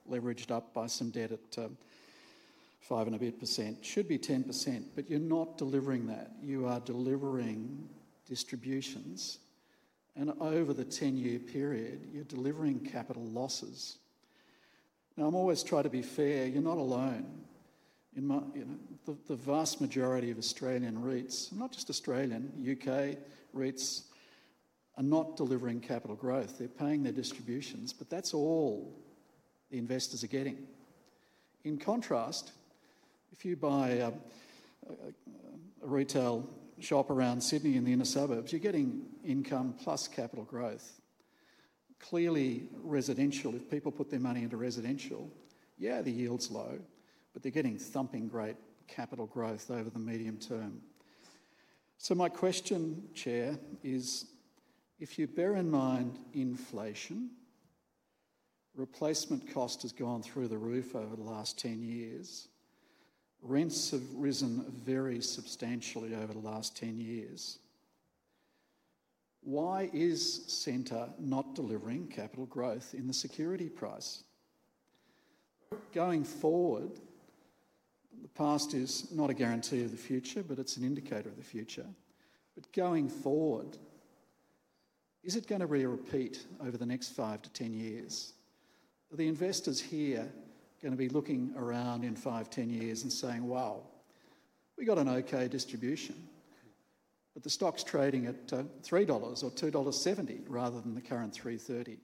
leveraged up by some debt at 5 and a bit percent should be 10%. But you're not delivering that. You are delivering distributions. And over the 10-year period, you're delivering capital losses. Now, I'm always trying to be fair. You're not alone. The vast majority of Australian REITs, not just Australian, U.K. REITs, are not delivering capital growth. They're paying their distributions, but that's all the investors are getting. In contrast, if you buy a retail shop around Sydney in the inner suburbs, you're getting income plus capital growth. Clearly, residential, if people put their money into residential, yeah, the yield's low, but they're getting thumping great capital growth over the medium term. My question, Chair, is if you bear in mind inflation, replacement cost has gone through the roof over the last 10 years. Rents have risen very substantially over the last 10 years. Why is Scentre not delivering capital growth in the security price? Going forward, the past is not a guarantee of the future, but it is an indicator of the future. Going forward, is it going to re-repeat over the next 5-10 years? Are the investors here going to be looking around in 5, 10 years and saying, "Wow, we got an okay distribution, but the stock's trading at 3 dollars or 2.70 dollars rather than the current 3.30?"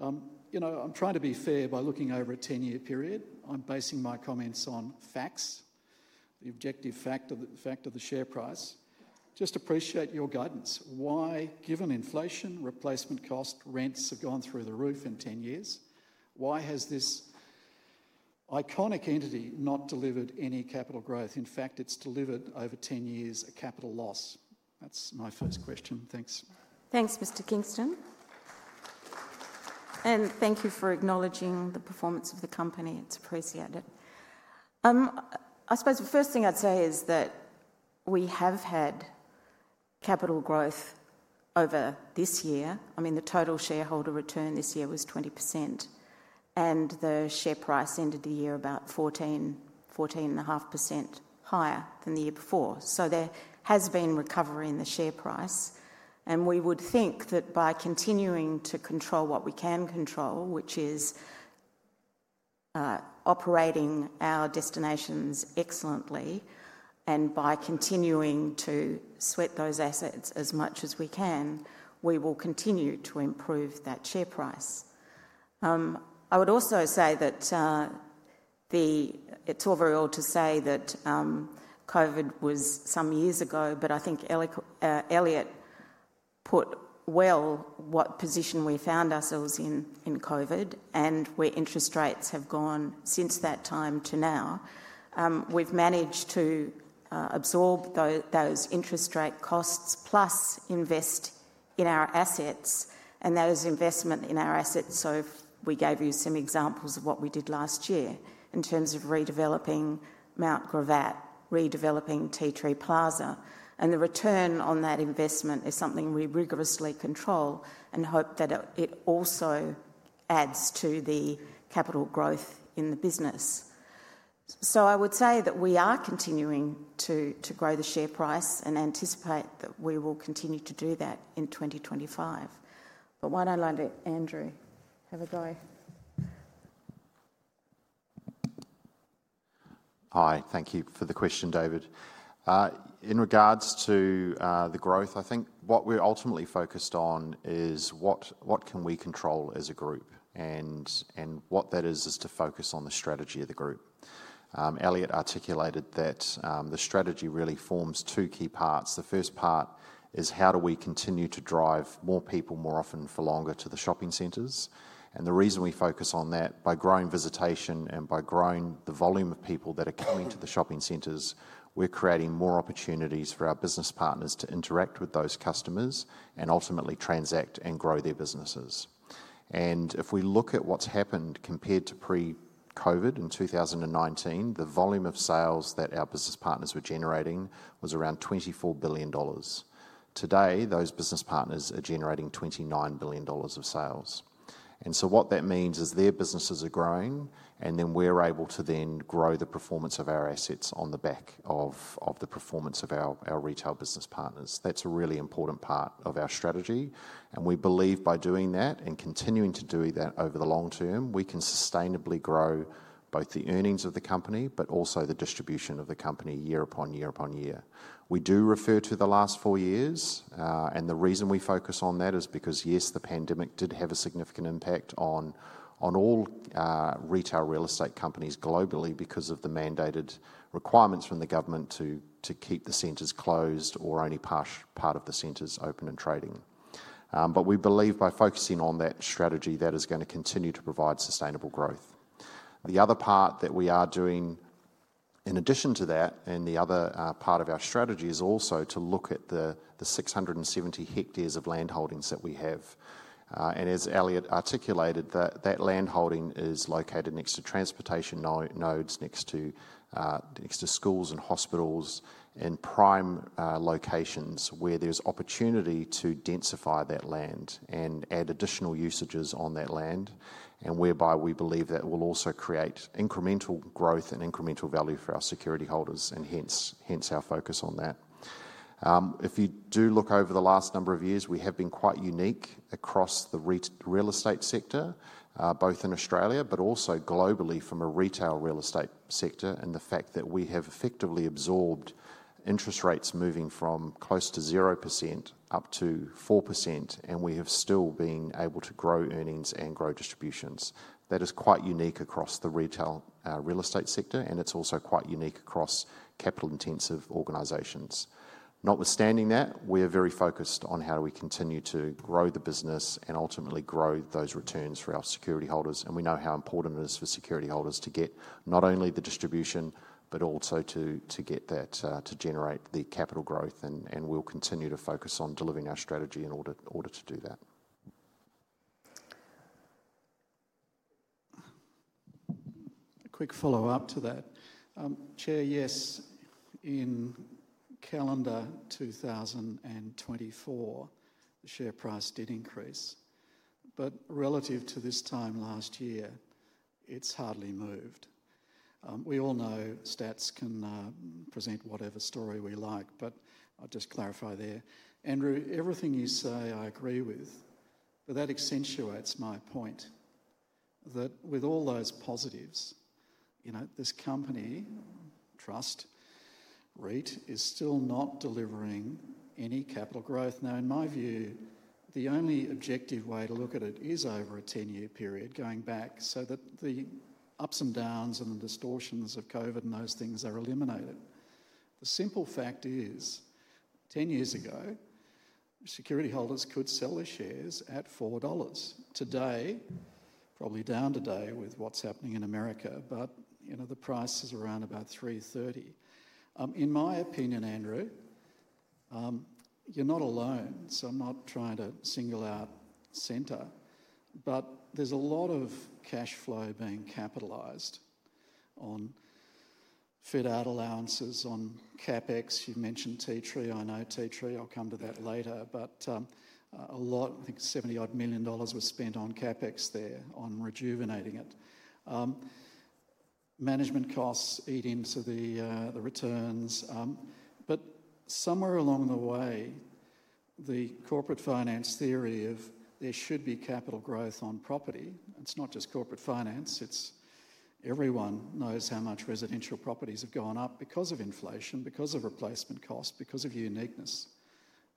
I'm trying to be fair by looking over a 10-year period. I'm basing my comments on facts, the objective factor, the fact of the share price. Just appreciate your guidance. Why, given inflation, replacement cost, rents have gone through the roof in 10 years, why has this iconic entity not delivered any capital growth? In fact, it has delivered over 10 years a capital loss. That is my first question. Thanks. Thanks, Mr. Kingston. Thank you for acknowledging the performance of the company. It is appreciated. I suppose the first thing I would say is that we have had capital growth over this year. I mean, the total shareholder return this year was 20%. The share price ended the year about 14%-14.5% higher than the year before. There has been recovery in the share price. We would think that by continuing to control what we can control, which is operating our destinations excellently, and by continuing to sweat those assets as much as we can, we will continue to improve that share price. I would also say that it's all very old to say that COVID was some years ago, but I think Elliott put well what position we found ourselves in COVID. Where interest rates have gone since that time to now, we've managed to absorb those interest rate costs plus invest in our assets and those investment in our assets. We gave you some examples of what we did last year in terms of redeveloping Mount Gravatt, redeveloping Tea Tree Plaza. The return on that investment is something we rigorously control and hope that it also adds to the capital growth in the business. I would say that we are continuing to grow the share price and anticipate that we will continue to do that in 2025. Why don't I let Andrew have a go? Hi. Thank you for the question, David. In regards to the growth, I think what we're ultimately focused on is what can we control as a group and what that is is to focus on the strategy of the group. Elliott articulated that the strategy really forms two key parts. The first part is how do we continue to drive more people more often for longer to the shopping centres. The reason we focus on that, by growing visitation and by growing the volume of people that are coming to the shopping centres, we're creating more opportunities for our business partners to interact with those customers and ultimately transact and grow their businesses. If we look at what's happened compared to pre-COVID in 2019, the volume of sales that our business partners were generating was around 24 billion dollars. Today, those business partners are generating 29 billion dollars of sales. What that means is their businesses are growing and then we're able to then grow the performance of our assets on the back of the performance of our retail business partners. That's a really important part of our strategy. We believe by doing that and continuing to do that over the long term, we can sustainably grow both the earnings of the company, but also the distribution of the company year upon year upon year. We do refer to the last four years. The reason we focus on that is because, yes, the pandemic did have a significant impact on all retail real estate companies globally because of the mandated requirements from the government to keep the centers closed or only part of the centers open and trading. We believe by focusing on that strategy, that is going to continue to provide sustainable growth. The other part that we are doing in addition to that, the other part of our strategy is also to look at the 670 hectares of land holdings that we have. As Elliott articulated, that land holding is located next to transportation nodes, next to schools and hospitals and prime locations where there is opportunity to densify that land and add additional usages on that land. We believe that will also create incremental growth and incremental value for our security holders and hence our focus on that. If you do look over the last number of years, we have been quite unique across the real estate sector, both in Australia, but also globally from a retail real estate sector and the fact that we have effectively absorbed interest rates moving from close to 0% up to 4% and we have still been able to grow earnings and grow distributions. That is quite unique across the retail real estate sector and it's also quite unique across capital-intensive organizations. Notwithstanding that, we are very focused on how do we continue to grow the business and ultimately grow those returns for our security holders. We know how important it is for security holders to get not only the distribution, but also to get that to generate the capital growth. We will continue to focus on delivering our strategy in order to do that. A quick follow-up to that. Chair, yes, in calendar 2024, the share price did increase. Relative to this time last year, it has hardly moved. We all know stats can present whatever story we like, but I'll just clarify there. Andrew, everything you say I agree with, but that accentuates my point that with all those positives, this company, Trust REIT, is still not delivering any capital growth. In my view, the only objective way to look at it is over a 10-year period going back so that the ups and downs and the distortions of COVID and those things are eliminated. The simple fact is 10 years ago, security holders could sell their shares at $4. Today, probably down today with what is happening in America, but the price is around about $3.30. In my opinion, Andrew, you are not alone. I am not trying to single out Scentre. There's a lot of cash flow being capitalized on fit-out allowances on CapEx. You've mentioned Tea Tree. I know Tea Tree. I'll come to that later. A lot, I think 70 million dollars-odd was spent on CapEx there on rejuvenating it. Management costs eat into the returns. Somewhere along the way, the corporate finance theory of there should be capital growth on property. It's not just corporate finance. Everyone knows how much residential properties have gone up because of inflation, because of replacement costs, because of uniqueness.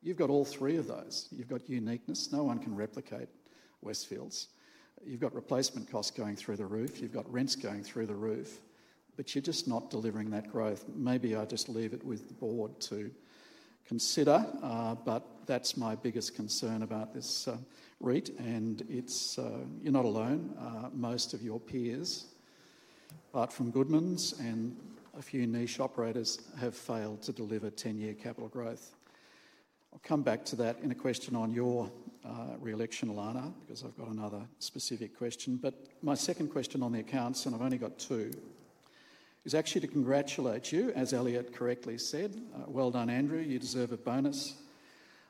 You've got all three of those. You've got uniqueness. No one can replicate Westfields. You've got replacement costs going through the roof. You've got rents going through the roof. You're just not delivering that growth. Maybe I just leave it with the board to consider. That's my biggest concern about this REIT. You're not alone. Most of your peers, apart from Goodmans and a few niche operators, have failed to deliver 10-year capital growth. I'll come back to that in a question on your re-election, Ilana, because I've got another specific question. My second question on the accounts, and I've only got two, is actually to congratulate you, as Elliott correctly said. Well done, Andrew. You deserve a bonus.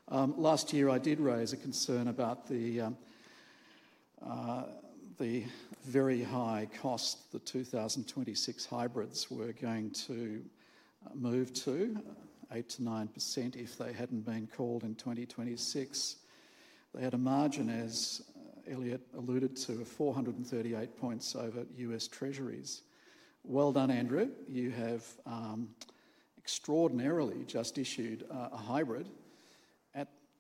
Last year, I did raise a concern about the very high cost the 2026 hybrids were going to move to, 8%-9% if they hadn't been called in 2026. They had a margin, as Elliott alluded to, of 438 basis points over U.S. Treasuries. Well done, Andrew. You have extraordinarily just issued a hybrid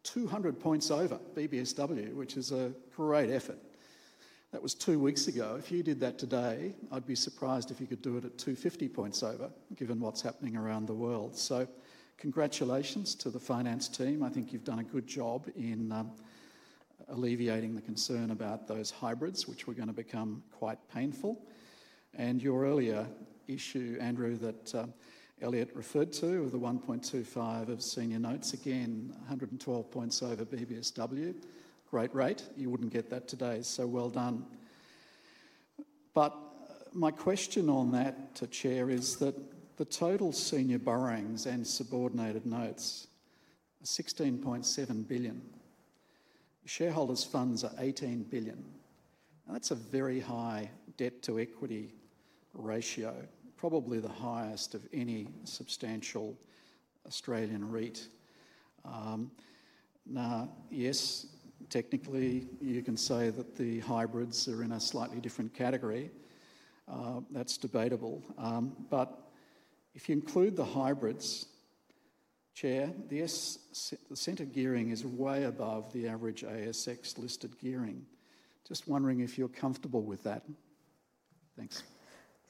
at 200 basis points over BBSW, which is a great effort. That was two weeks ago. If you did that today, I'd be surprised if you could do it at 250 basis points over, given what's happening around the world. Congratulations to the finance team. I think you've done a good job in alleviating the concern about those hybrids, which were going to become quite painful. Your earlier issue, Andrew, that Elliott referred to of the 1.25 billion of senior notes, again, 112 basis points over BBSW. Great rate. You wouldn't get that today. Well done. My question on that, Chair, is that the total senior borrowings and subordinated notes are 16.7 billion. Shareholders' funds are 18 billion. That's a very high debt-to-equity ratio, probably the highest of any substantial Australian REIT. Now, yes, technically, you can say that the hybrids are in a slightly different category. That's debatable. If you include the hybrids, Chair, the Scentre gearing is way above the average ASX-listed gearing. Just wondering if you're comfortable with that. Thanks. Thanks,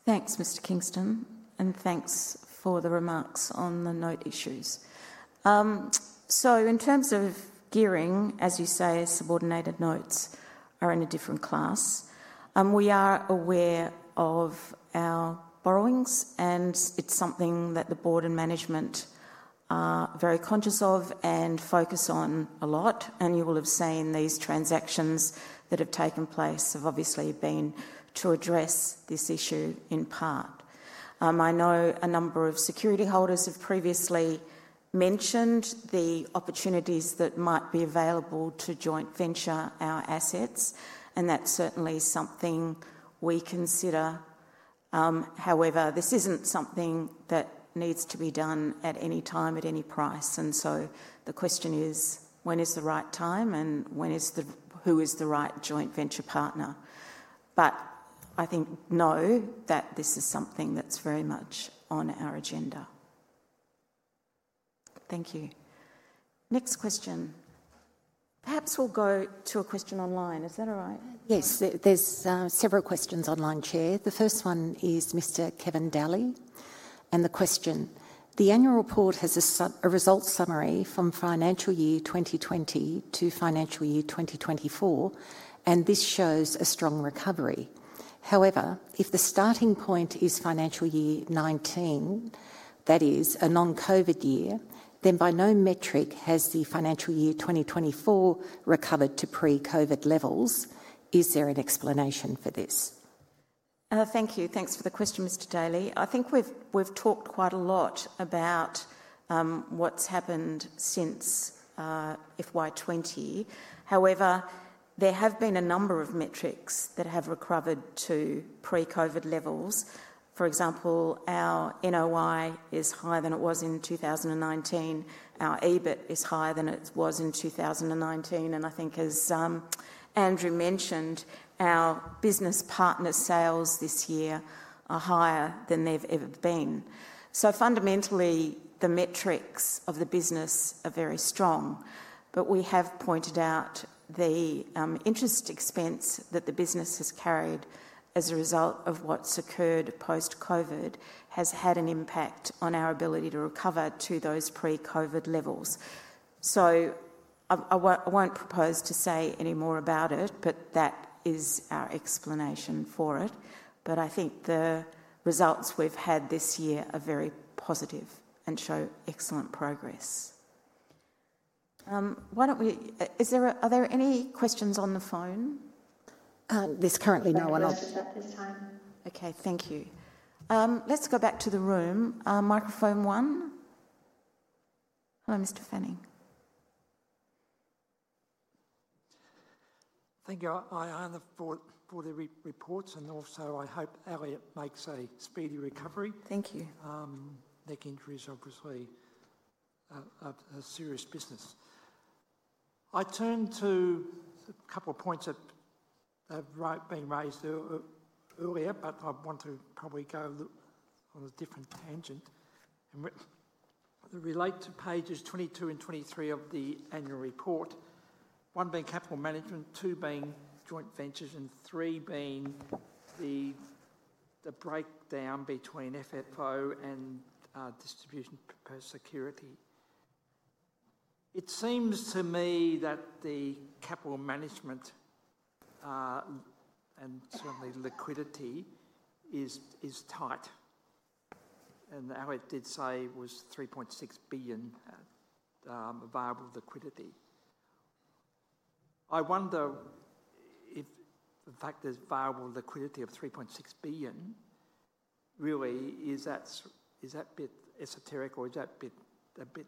Mr. Kingston. Thanks for the remarks on the note issues. In terms of gearing, as you say, subordinated notes are in a different class. We are aware of our borrowings, and it's something that the board and management are very conscious of and focus on a lot. You will have seen these transactions that have taken place have obviously been to address this issue in part. I know a number of security holders have previously mentioned the opportunities that might be available to joint venture our assets. That's certainly something we consider. However, this isn't something that needs to be done at any time, at any price. The question is, when is the right time and who is the right joint venture partner? I think know that this is something that's very much on our agenda. Thank you. Next question. Perhaps we'll go to a question online. Is that all right? Yes. There are several questions online, Chair. The first one is Mr. Kevin Daly. The question, the annual report has a result summary from financial year 2020 to financial year 2024, and this shows a strong recovery. However, if the starting point is financial year 2019, that is a non-COVID year, then by no metric has the financial year 2024 recovered to pre-COVID levels. Is there an explanation for this? Thank you. Thanks for the question, Mr. Daly. I think we've talked quite a lot about what's happened since FY 2020. However, there have been a number of metrics that have recovered to pre-COVID levels. For example, our NOI is higher than it was in 2019. Our EBIT is higher than it was in 2019. I think, as Andrew mentioned, our business partner sales this year are higher than they've ever been. Fundamentally, the metrics of the business are very strong. We have pointed out the interest expense that the business has carried as a result of what's occurred post-COVID has had an impact on our ability to recover to those pre-COVID levels. I won't propose to say any more about it, but that is our explanation for it. I think the results we've had this year are very positive and show excellent progress. Is there any questions on the phone? There's currently no one at this time. Okay. Thank you. Let's go back to the room. Microphone one. Hello, Mr. Fanning. Thank you. I underfull the reports and also I hope Elliott makes a speedy recovery. Thank you. Neck injuries, obviously, are serious business. I turn to a couple of points that have been raised earlier, but I want to probably go on a different tangent. And relate to pages 22 and 23 of the annual report, one being capital management, two being joint ventures, and three being the breakdown between FFO and distribution per security. It seems to me that the capital management and certainly liquidity is tight. And Elliott did say it was 3.6 billion available liquidity. I wonder if the fact there's available liquidity of 3.6 billion really, is that bit esoteric or is that bit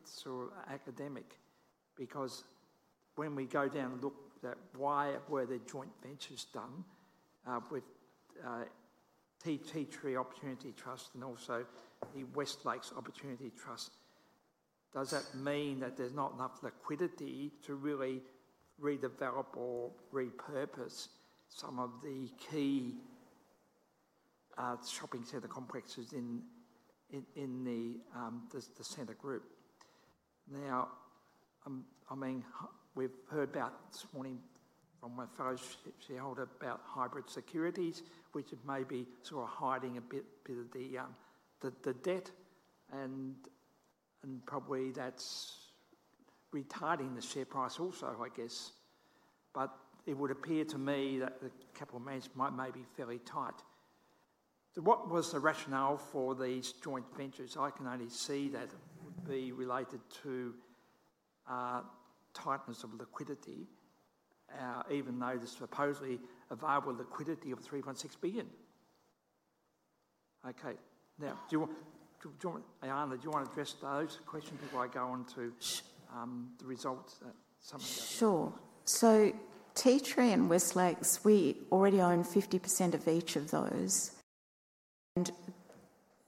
sort of academic? Because when we go down and look at why were the joint ventures done with Tea Tree Opportunity Trust and also the West Lakes Opportunity Trust, does that mean that there's not enough liquidity to really redevelop or repurpose some of the key shopping center complexes in the Scentre Group? Now, I mean, we've heard about this morning from my fellow shareholder about hybrid securities, which may be sort of hiding a bit of the debt. Probably that's retarding the share price also, I guess. It would appear to me that the capital management might be fairly tight. What was the rationale for these joint ventures? I can only see that it would be related to tightness of liquidity, even though there's supposedly available liquidity of 3.6 billion. Okay. Now, do you want to address those questions before I go on to the results? Sure. Tea Tree and West Lakes, we already own 50% of each of those.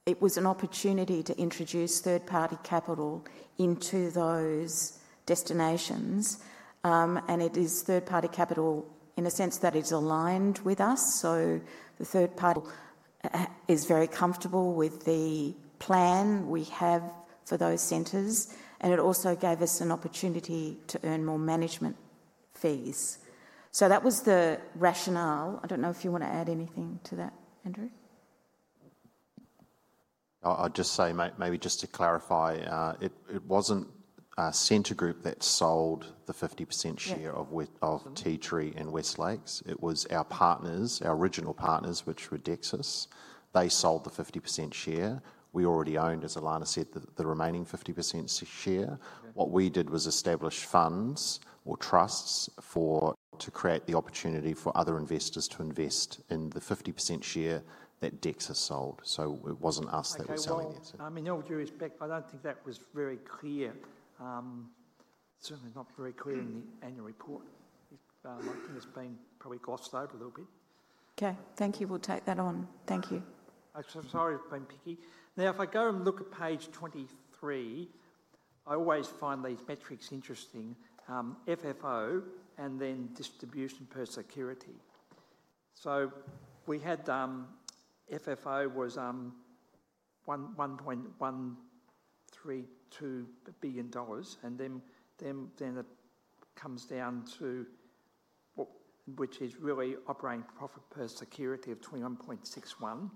It was an opportunity to introduce third-party capital into those destinations. It is third-party capital in a sense that it's aligned with us. The third party is very comfortable with the plan we have for those centres. It also gave us an opportunity to earn more management fees. That was the rationale. I don't know if you want to add anything to that, Andrew. I'll just say, maybe just to clarify, it wasn't Scentre Group that sold the 50% share of Tea Tree and West Lakes. It was our partners, our original partners, which were Dexus. They sold the 50% share. We already owned, as Ilana said, the remaining 50% share. What we did was establish funds or trusts to create the opportunity for other investors to invest in the 50% share that Dexus sold. It was not us that were selling it. I mean, in all due respect, I do not think that was very clear. Certainly not very clear in the annual report. I think it has been probably glossed over a little bit. Okay. Thank you. We will take that on. Thank you. I am sorry I have been picky. Now, if I go and look at page 23, I always find these metrics interesting. FFO and then distribution per security. We had FFO was 1.132 billion dollars. It comes down to what is really operating profit per security of 21.61.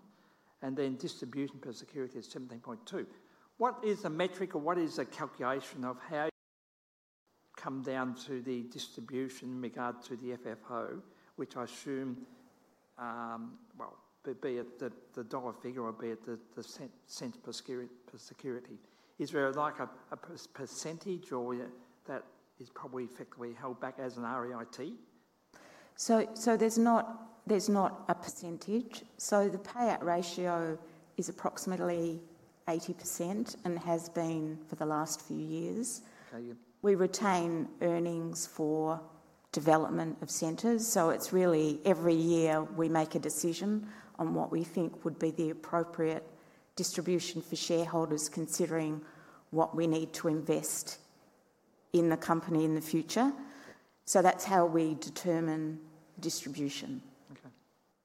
Distribution per security is 17.2. What is the metric or what is the calculation of how you come down to the distribution in regard to the FFO, which I assume, well, be it the dollar figure or be it the cent per security? Is there like a percentage or that is probably effectively held back as an REIT? There is not a percentage. The payout ratio is approximately 80% and has been for the last few years. We retain earnings for development of centers. Every year we make a decision on what we think would be the appropriate distribution for shareholders considering what we need to invest in the company in the future. That is how we determine distribution.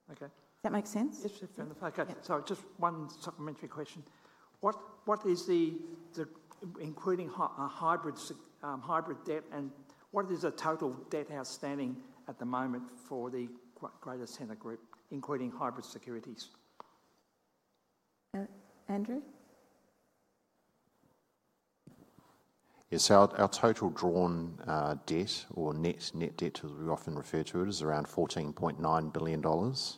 Does that make sense? Yes, it does. Sorry, just one supplementary question. What is the, including hybrid debt, and what is the total debt outstanding at the moment for the greater Scentre Group, including hybrid securities? Andrew? Yes. Our total drawn debt or net debt, as we often refer to it, is around 14.9 billion dollars.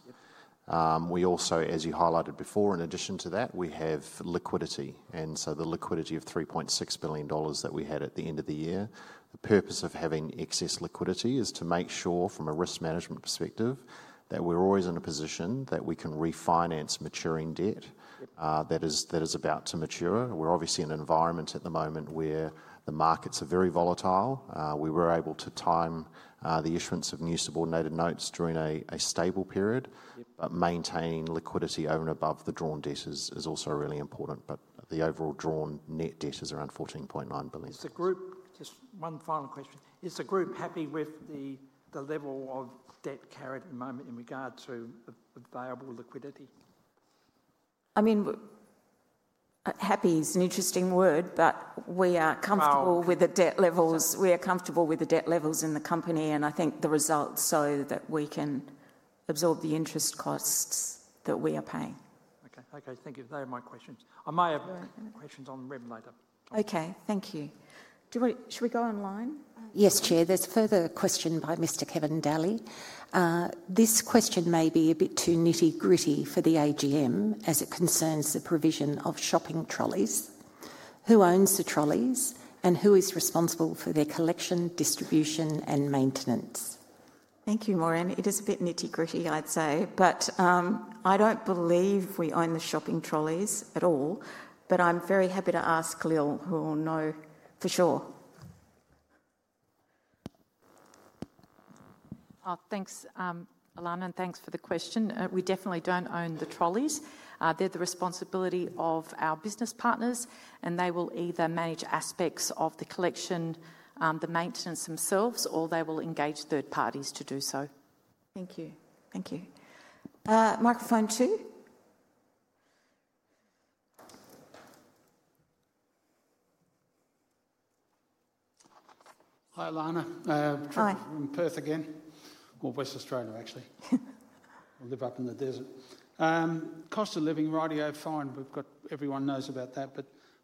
We also, as you highlighted before, in addition to that, we have liquidity. And so the liquidity of 3.6 billion dollars that we had at the end of the year, the purpose of having excess liquidity is to make sure from a risk management perspective that we're always in a position that we can refinance maturing debt that is about to mature. We're obviously in an environment at the moment where the markets are very volatile. We were able to time the issuance of new subordinated notes during a stable period, but maintaining liquidity over and above the drawn debt is also really important. But the overall drawn net debt is around 14.9 billion. Just one final question. Is the group happy with the level of debt carried at the moment in regard to available liquidity? I mean, happy is an interesting word, but we are comfortable with the debt levels. We are comfortable with the debt levels in the company. I think the results show that we can absorb the interest costs that we are paying. Okay. Thank you. They are my questions. I may have questions on revenue later. Okay. Thank you. Should we go online? Yes, Chair. There is a further question by Mr. Kevin Daly. This question may be a bit too nitty-gritty for the AGM as it concerns the provision of shopping trolleys. Who owns the trolleys and who is responsible for their collection, distribution, and maintenance? Thank you, Maureen. It is a bit nitty-gritty, I'd say. I don't believe we own the shopping trolleys at all. I'm very happy to ask Lil, who will know for sure. Thanks, Ilana. Thanks for the question. We definitely don't own the trolleys. They're the responsibility of our business partners. They will either manage aspects of the collection, the maintenance themselves, or they will engage third parties to do so. Thank you. Thank you. Microphone two. Hi, Ilana. I'm Perth again. Or West Australia, actually. I live up in the desert. Cost of living, right? Yeah, fine. Everyone knows about that.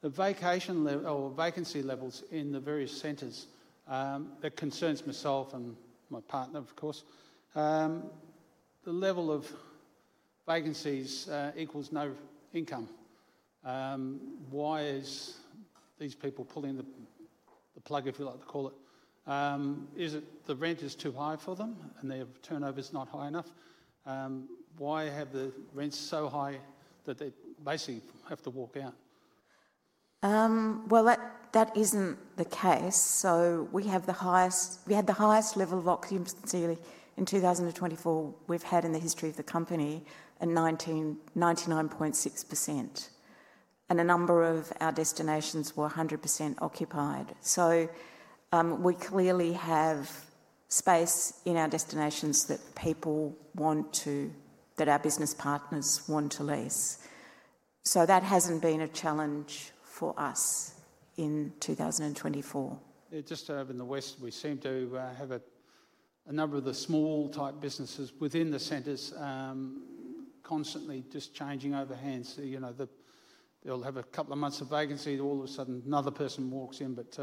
The vacation or vacancy levels in the various centers, that concerns myself and my partner, of course. The level of vacancies equals no income. Why is these people pulling the plug, if you like to call it? Is it the rent is too high for them and their turnover is not high enough? Why have the rents so high that they basically have to walk out? That isn't the case. We had the highest level of occupancy in 2024 we've had in the history of the company at 99.6%. A number of our destinations were 100% occupied. We clearly have space in our destinations that people want to, that our business partners want to lease. That hasn't been a challenge for us in 2024. Just over in the west, we seem to have a number of the small-type businesses within the centers constantly just changing over hands. They'll have a couple of months of vacancy. All of a sudden, another person walks in. That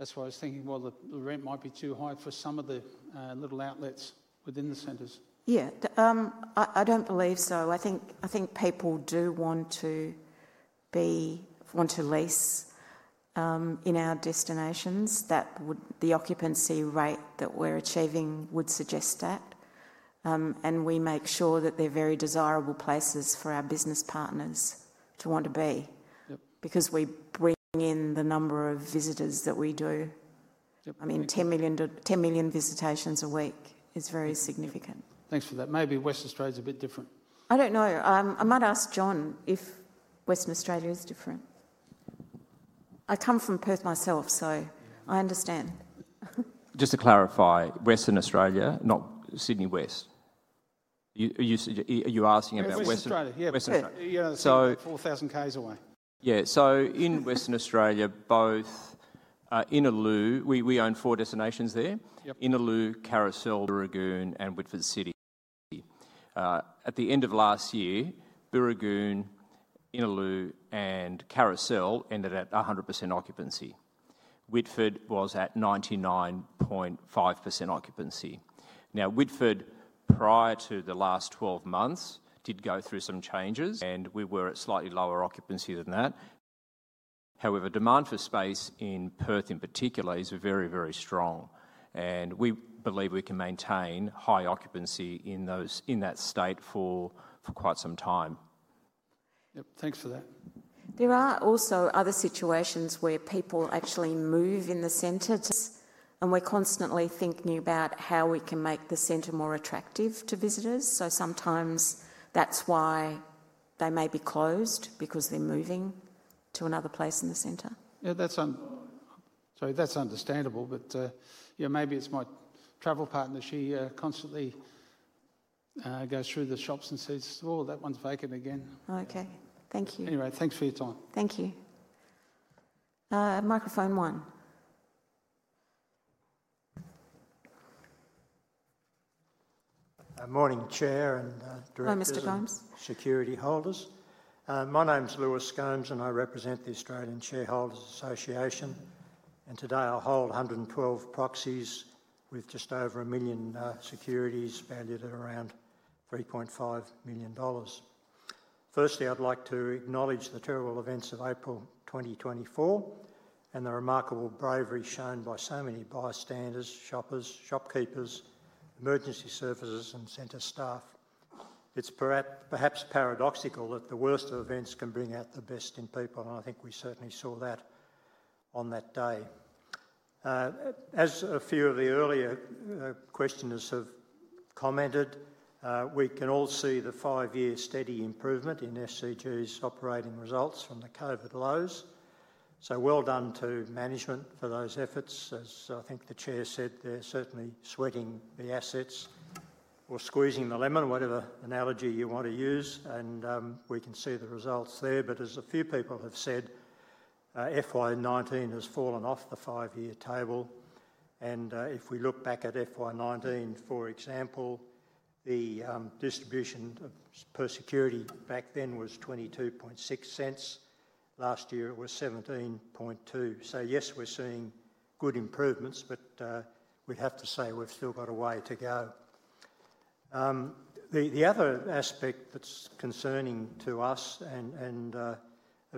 is why I was thinking the rent might be too high for some of the little outlets within the centers. I don't believe so. I think people do want to lease in our destinations. The occupancy rate that we're achieving would suggest that. We make sure that they're very desirable places for our business partners to want to be because we bring in the number of visitors that we do. I mean, 10 million visitations a week is very significant. Thanks for that. Maybe Western Australia is a bit different. I don't know. I might ask John if Western Australia is different. I come from Perth myself, so I understand. Just to clarify, Western Australia, not Sydney West. Are you asking about Western Australia? Yeah. Western Australia. You're on the same 4,000 km away. Yeah. In Western Australia, we own four destinations there: Innaloo, Carousel, Booragoon, and Whitfords City. At the end of last year, Booragoon, Innaloo, and Carousel ended at 100% occupancy. Whitfords was at 99.5% occupancy. Now, Whitfords, prior to the last 12 months, did go through some changes. We were at slightly lower occupancy than that. However, demand for space in Perth, in particular, is very, very strong. We believe we can maintain high occupancy in that state for quite some time. Thanks for that. There are also other situations where people actually move in the centre. We are constantly thinking about how we can make the centre more attractive to visitors. Sometimes that is why they may be closed because they are moving to another place in the centre. Yeah. Sorry, that is understandable. Maybe it is my travel partner. She constantly goes through the shops and says, "Oh, that one's vacant again." Okay. Thank you. Anyway, thanks for your time. Thank you. Microphone one. Morning, Chair and Director of Security Holders. My name is Lewis Scammell, and I represent the Australian Shareholders Association. Today I hold 112 proxies with just over a million securities valued at around 3.5 million dollars. Firstly, I'd like to acknowledge the terrible events of April 2024 and the remarkable bravery shown by so many bystanders, shoppers, shopkeepers, emergency services, and center staff. It's perhaps paradoxical that the worst of events can bring out the best in people. I think we certainly saw that on that day. As a few of the earlier questioners have commented, we can all see the five-year steady improvement in SCG's operating results from the COVID lows. Well done to management for those efforts. As I think the Chair said, they're certainly sweating the assets or squeezing the lemon, whatever analogy you want to use. We can see the results there. As a few people have said, FY 2019 has fallen off the five-year table. If we look back at FY 2019, for example, the distribution per security back then was 0.226. Last year, it was 0.172. Yes, we're seeing good improvements, but we'd have to say we've still got a way to go. The other aspect that's concerning to us, and a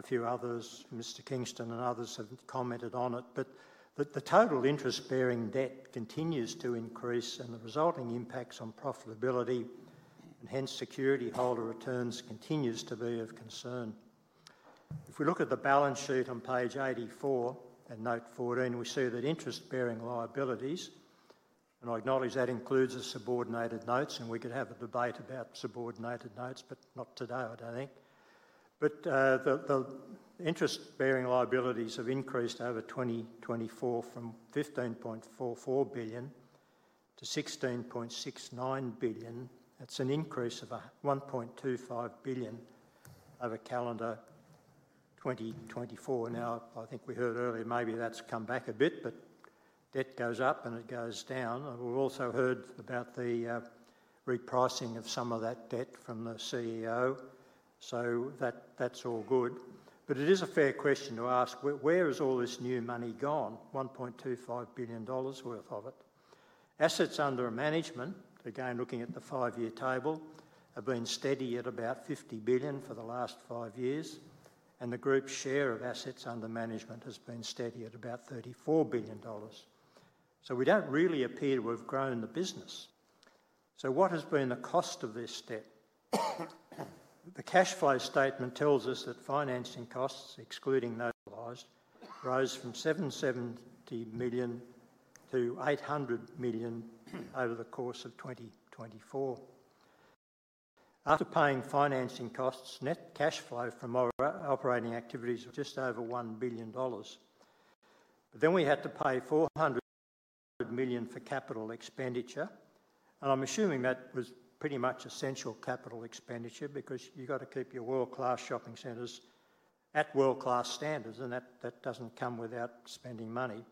few others, Mr. Kingston and others have commented on it, but the total interest-bearing debt continues to increase and the resulting impacts on profitability and hence security holder returns continues to be of concern. If we look at the balance sheet on page 84 and note 14, we see that interest-bearing liabilities, and I acknowledge that includes the subordinated notes, and we could have a debate about subordinated notes, but not today, I don't think. The interest-bearing liabilities have increased over 2024 from 15.44 billion to 16.69 billion. That's an increase of 1.25 billion over calendar 2024. Now, I think we heard earlier, maybe that's come back a bit, but debt goes up and it goes down. We've also heard about the repricing of some of that debt from the CEO. That is all good. It is a fair question to ask, where has all this new money gone, 1.25 billion dollars worth of it? Assets under management, again, looking at the five-year table, have been steady at about 50 billion for the last five years. The group's share of assets under management has been steady at about AUD 34 billion. We do not really appear to have grown the business. What has been the cost of this debt? The cash flow statement tells us that financing costs, excluding notized, rose from 770 million-800 million over the course of 2024. After paying financing costs, net cash flow from operating activities was just over 1 billion dollars. We had to pay 400 million for capital expenditure. I'm assuming that was pretty much essential capital expenditure because you've got to keep your world-class shopping centres at world-class standards, and that doesn't come without spending money.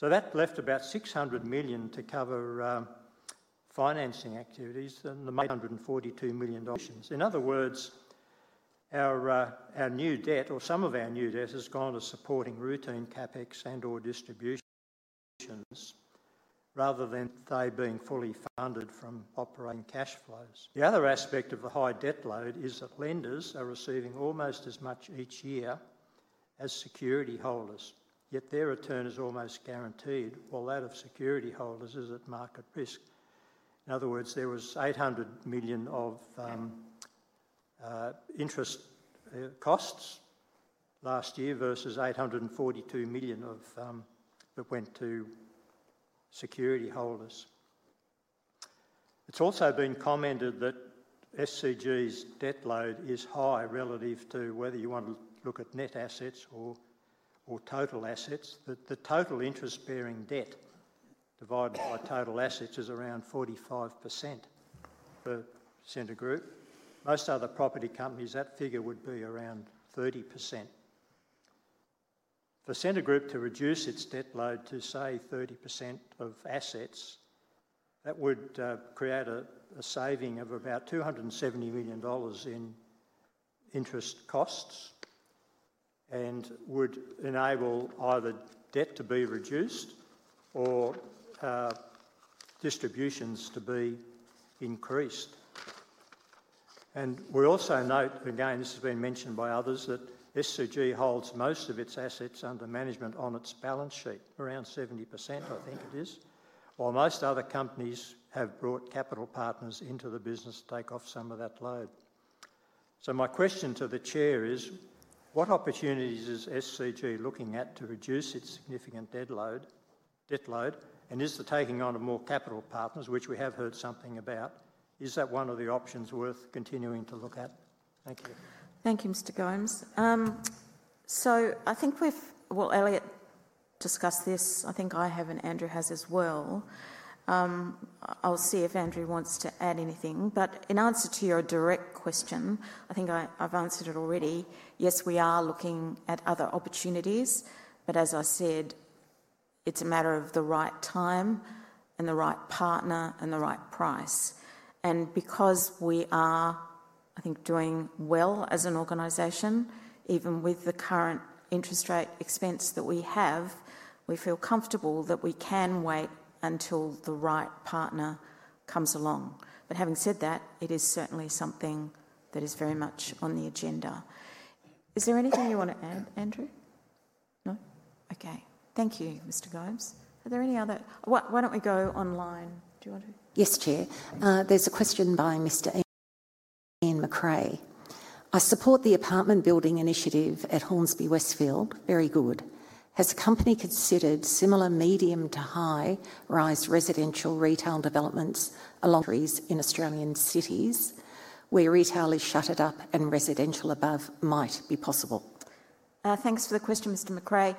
That left about 600 million to cover financing activities and the AUD 142 million. In other words, our new debt, or some of our new debt, has gone to supporting routine CapEx and/or distributions rather than they being fully funded from operating cash flows. The other aspect of the high debt load is that lenders are receiving almost as much each year as security holders, yet their return is almost guaranteed, while that of security holders is at market risk. In other words, there was 800 million of interest costs last year versus 842 million that went to security holders. It is also been commented that Scentre Group's debt load is high relative to whether you want to look at net assets or total assets. The total interest-bearing debt divided by total assets is around 45%. For Scentre Group, most other property companies, that figure would be around 30%. For Scentre Group to reduce its debt load to, say, 30% of assets, that would create a saving of about 270 million dollars in interest costs and would enable either debt to be reduced or distributions to be increased. We also note, again, this has been mentioned by others, that SCG holds most of its assets under management on its balance sheet, around 70%, I think it is, while most other companies have brought capital partners into the business to take off some of that load. My question to the Chair is, what opportunities is SCG looking at to reduce its significant debt load? Is the taking on more capital partners, which we have heard something about, one of the options worth continuing to look at? Thank you. Thank you, Mr. Scammell. I think we've—Elliott discussed this. I think I have, and Andrew has as well. I'll see if Andrew wants to add anything. In answer to your direct question, I think I've answered it already. Yes, we are looking at other opportunities. As I said, it's a matter of the right time and the right partner and the right price. Because we are, I think, doing well as an organization, even with the current interest rate expense that we have, we feel comfortable that we can wait until the right partner comes along. Having said that, it is certainly something that is very much on the agenda. Is there anything you want to add, Andrew? No? Okay. Thank you, Mr. Scammell. Are there any other—why don't we go online? Do you want to? Yes, Chair. There's a question by Mr. Ian McRae. I support the apartment building initiative at Hornsby Westfield. Very good. Has the company considered similar medium to high-rise residential retail developments along industries in Australian cities where retail is shuttered up and residential above might be possible? Thanks for the question, Mr. McRae.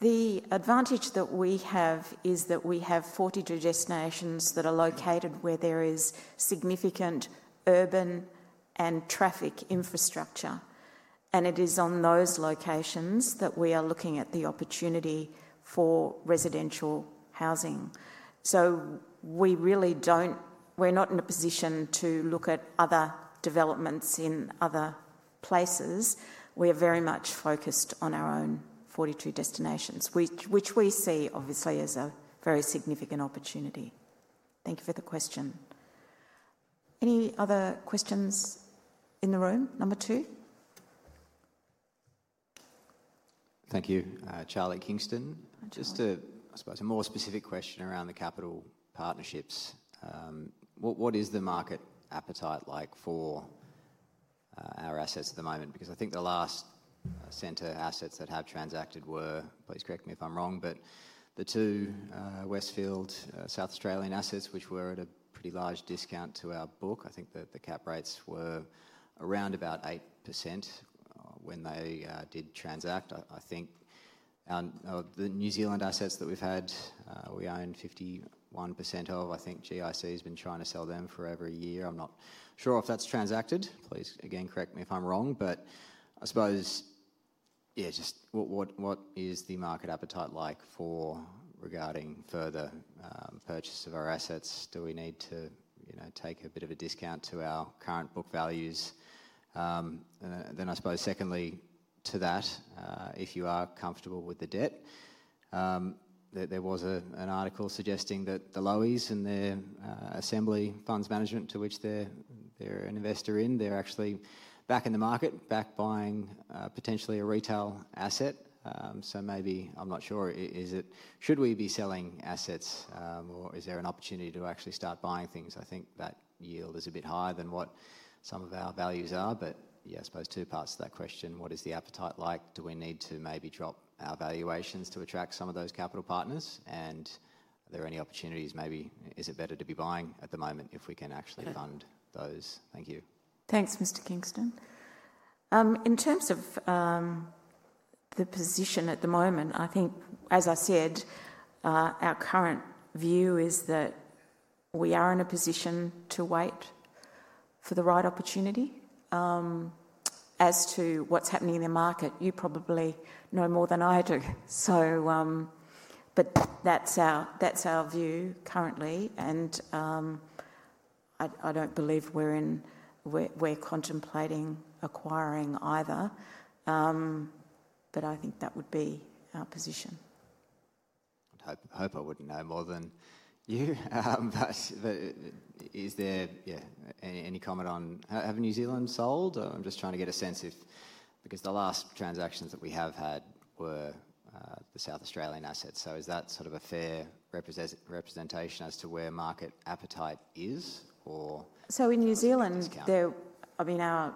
The advantage that we have is that we have 42 destinations that are located where there is significant urban and traffic infrastructure. It is on those locations that we are looking at the opportunity for residential housing. We really do not—we are not in a position to look at other developments in other places. We are very much focused on our own 42 destinations, which we see, obviously, as a very significant opportunity. Thank you for the question. Any other questions in the room? Number two? Thank you, Charlotte Kingston. Just a, I suppose, a more specific question around the capital partnerships. What is the market appetite like for our assets at the moment? Because I think the last centre assets that have transacted were—please correct me if I'm wrong—but the two Westfield South Australian assets, which were at a pretty large discount to our book. I think the cap rates were around about 8% when they did transact. I think the New Zealand assets that we've had, we own 51% of. I think GIC has been trying to sell them for over a year. I'm not sure if that's transacted. Please, again, correct me if I'm wrong. I suppose, yeah, just what is the market appetite like regarding further purchase of our assets? Do we need to take a bit of a discount to our current book values? I suppose, secondly to that, if you are comfortable with the debt, there was an article suggesting that the Lewis and their Assembly Funds Management, to which they're an investor in, they're actually back in the market, back buying potentially a retail asset. Maybe I'm not sure. Should we be selling assets, or is there an opportunity to actually start buying things? I think that yield is a bit higher than what some of our values are. I suppose two parts to that question. What is the appetite like? Do we need to maybe drop our valuations to attract some of those capital partners? Are there any opportunities? Maybe is it better to be buying at the moment if we can actually fund those? Thank you. Thanks, Mr. Kingston. In terms of the position at the moment, I think, as I said, our current view is that we are in a position to wait for the right opportunity. As to what is happening in the market, you probably know more than I do. That is our view currently. I do not believe we are contemplating acquiring either. I think that would be our position. I hope I would not know more than you. Is there, yeah, any comment on—have New Zealand sold? I am just trying to get a sense if—because the last transactions that we have had were the South Australian assets. Is that sort of a fair representation as to where market appetite is, or? In New Zealand, I mean, our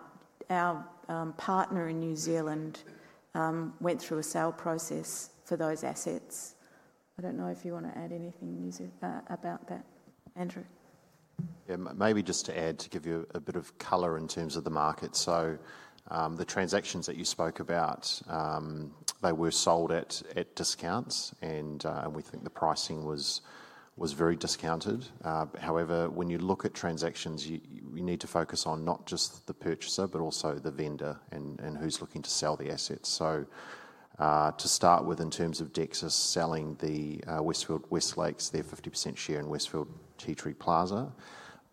partner in New Zealand went through a sale process for those assets. I do not know if you want to add anything about that. Andrew? Yeah, maybe just to add, to give you a bit of color in terms of the market. The transactions that you spoke about, they were sold at discounts, and we think the pricing was very discounted. However, when you look at transactions, you need to focus on not just the purchaser, but also the vendor and who's looking to sell the assets. To start with, in terms of Dexus selling the Westfield West Lakes, their 50% share in Westfield Tea Tree Plaza,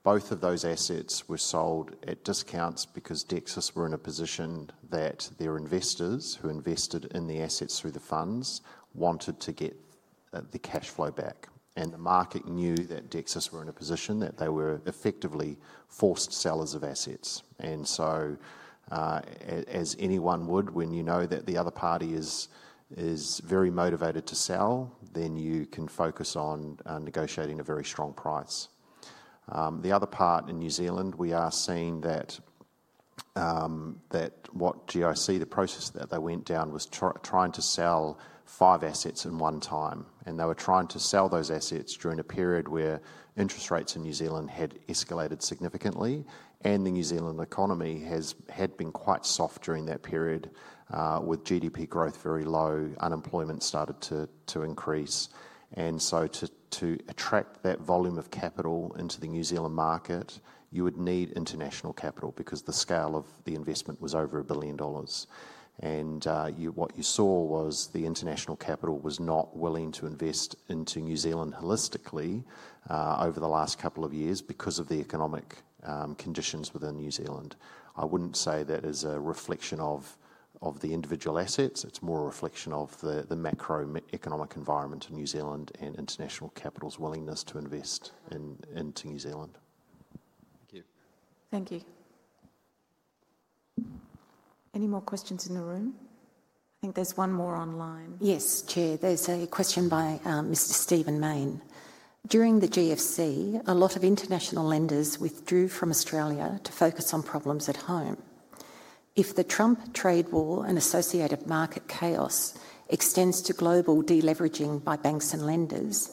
both of those assets were sold at discounts because Dexus were in a position that their investors who invested in the assets through the funds wanted to get the cash flow back. The market knew that Dexus were in a position that they were effectively forced sellers of assets. As anyone would, when you know that the other party is very motivated to sell, you can focus on negotiating a very strong price. The other part in New Zealand, we are seeing that what GIC, the process that they went down, was trying to sell five assets in one time. They were trying to sell those assets during a period where interest rates in New Zealand had escalated significantly. The New Zealand economy had been quite soft during that period, with GDP growth very low, unemployment started to increase. To attract that volume of capital into the New Zealand market, you would need international capital because the scale of the investment was over 1 billion dollars. What you saw was the international capital was not willing to invest into New Zealand holistically over the last couple of years because of the economic conditions within New Zealand. I would not say that is a reflection of the individual assets. It is more a reflection of the macroeconomic environment in New Zealand and international capital's willingness to invest into New Zealand. Thank you. Thank you. Any more questions in the room? I think there is one more online. Yes, Chair. There is a question by Mr. Stephen Maine. During the GFC, a lot of international lenders withdrew from Australia to focus on problems at home. If the Trump trade war and associated market chaos extends to global deleveraging by banks and lenders,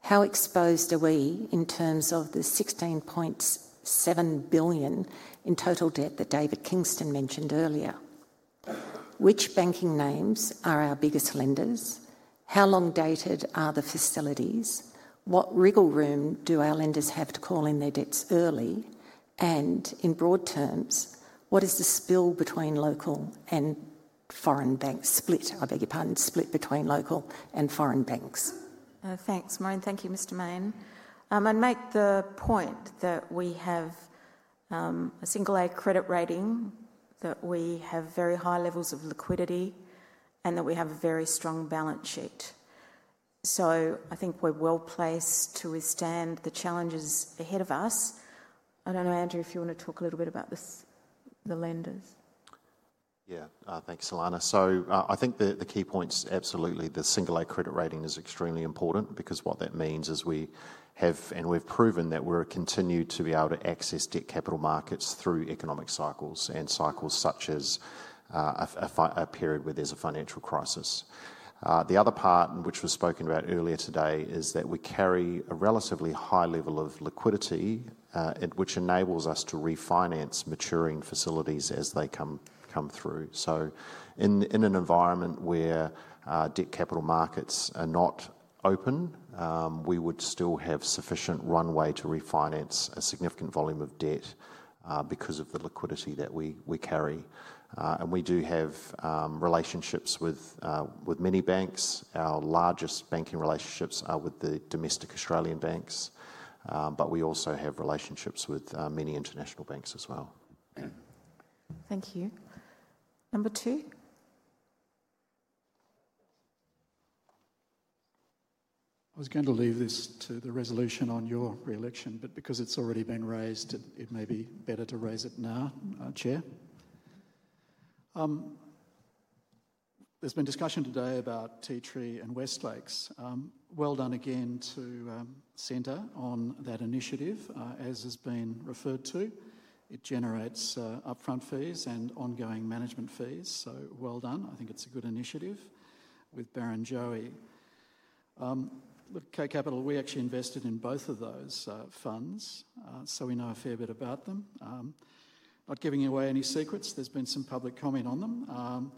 how exposed are we in terms of the 16.7 billion in total debt that David Kingston mentioned earlier? Which banking names are our biggest lenders? How long dated are the facilities? What wriggle room do our lenders have to call in their debts early? And in broad terms, what is the split between local and foreign banks? Split, I beg your pardon, split between local and foreign banks. Thanks, Maureen. Thank you, Mr. Maine. I make the point that we have a single-A credit rating, that we have very high levels of liquidity, and that we have a very strong balance sheet. I think we're well placed to withstand the challenges ahead of us. I don't know, Andrew, if you want to talk a little bit about the lenders. Yeah, thanks, Ilana. I think the key points, absolutely, the single-A credit rating is extremely important because what that means is we have, and we've proven that we're continued to be able to access debt capital markets through economic cycles and cycles such as a period where there's a financial crisis. The other part, which was spoken about earlier today, is that we carry a relatively high level of liquidity, which enables us to refinance maturing facilities as they come through. In an environment where debt capital markets are not open, we would still have sufficient runway to refinance a significant volume of debt because of the liquidity that we carry. We do have relationships with many banks. Our largest banking relationships are with the domestic Australian banks. We also have relationships with many international banks as well. Thank you. Number two? I was going to leave this to the resolution on your re-election, but because it's already been raised, it may be better to raise it now, Chair. There's been discussion today about Tea Tree and West Lakes. Well done again to Scentre on that initiative, as has been referred to. It generates upfront fees and ongoing management fees. So well done. I think it's a good initiative with Barrenjoey. With K Capital, we actually invested in both of those funds, so we know a fair bit about them. Not giving away any secrets, there's been some public comment on them.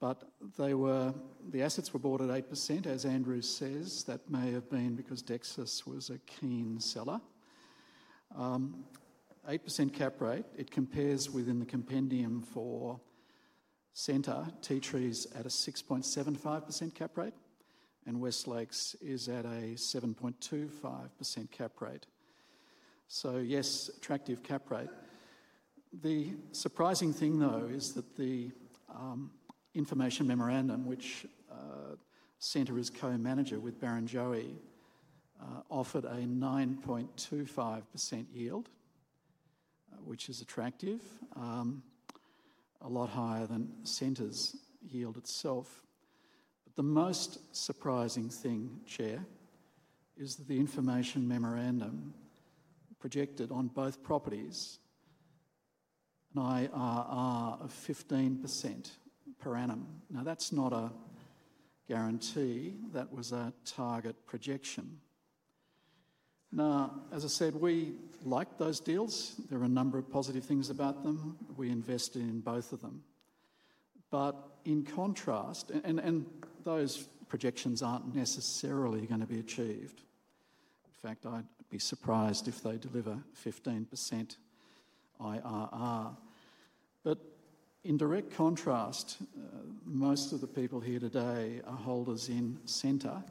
But the assets were bought at 8%, as Andrew says. That may have been because Dexus was a keen seller. 8% cap rate. It compares within the compendium for Scentre. Tea Tree's at a 6.75% cap rate, and West Lakes is at a 7.25% cap rate. Yes, attractive cap rate. The surprising thing, though, is that the information memorandum, which Scentre is co-manager with Barrenjoey, offered a 9.25% yield, which is attractive, a lot higher than Scentre's yield itself. The most surprising thing, Chair, is that the information memorandum projected on both properties an IRR of 15% per annum. Now, that's not a guarantee. That was a target projection. As I said, we like those deals. There are a number of positive things about them. We invested in both of them. In contrast, and those projections aren't necessarily going to be achieved. In fact, I'd be surprised if they deliver 15% IRR. In direct contrast, most of the people here today are holders in Scentre,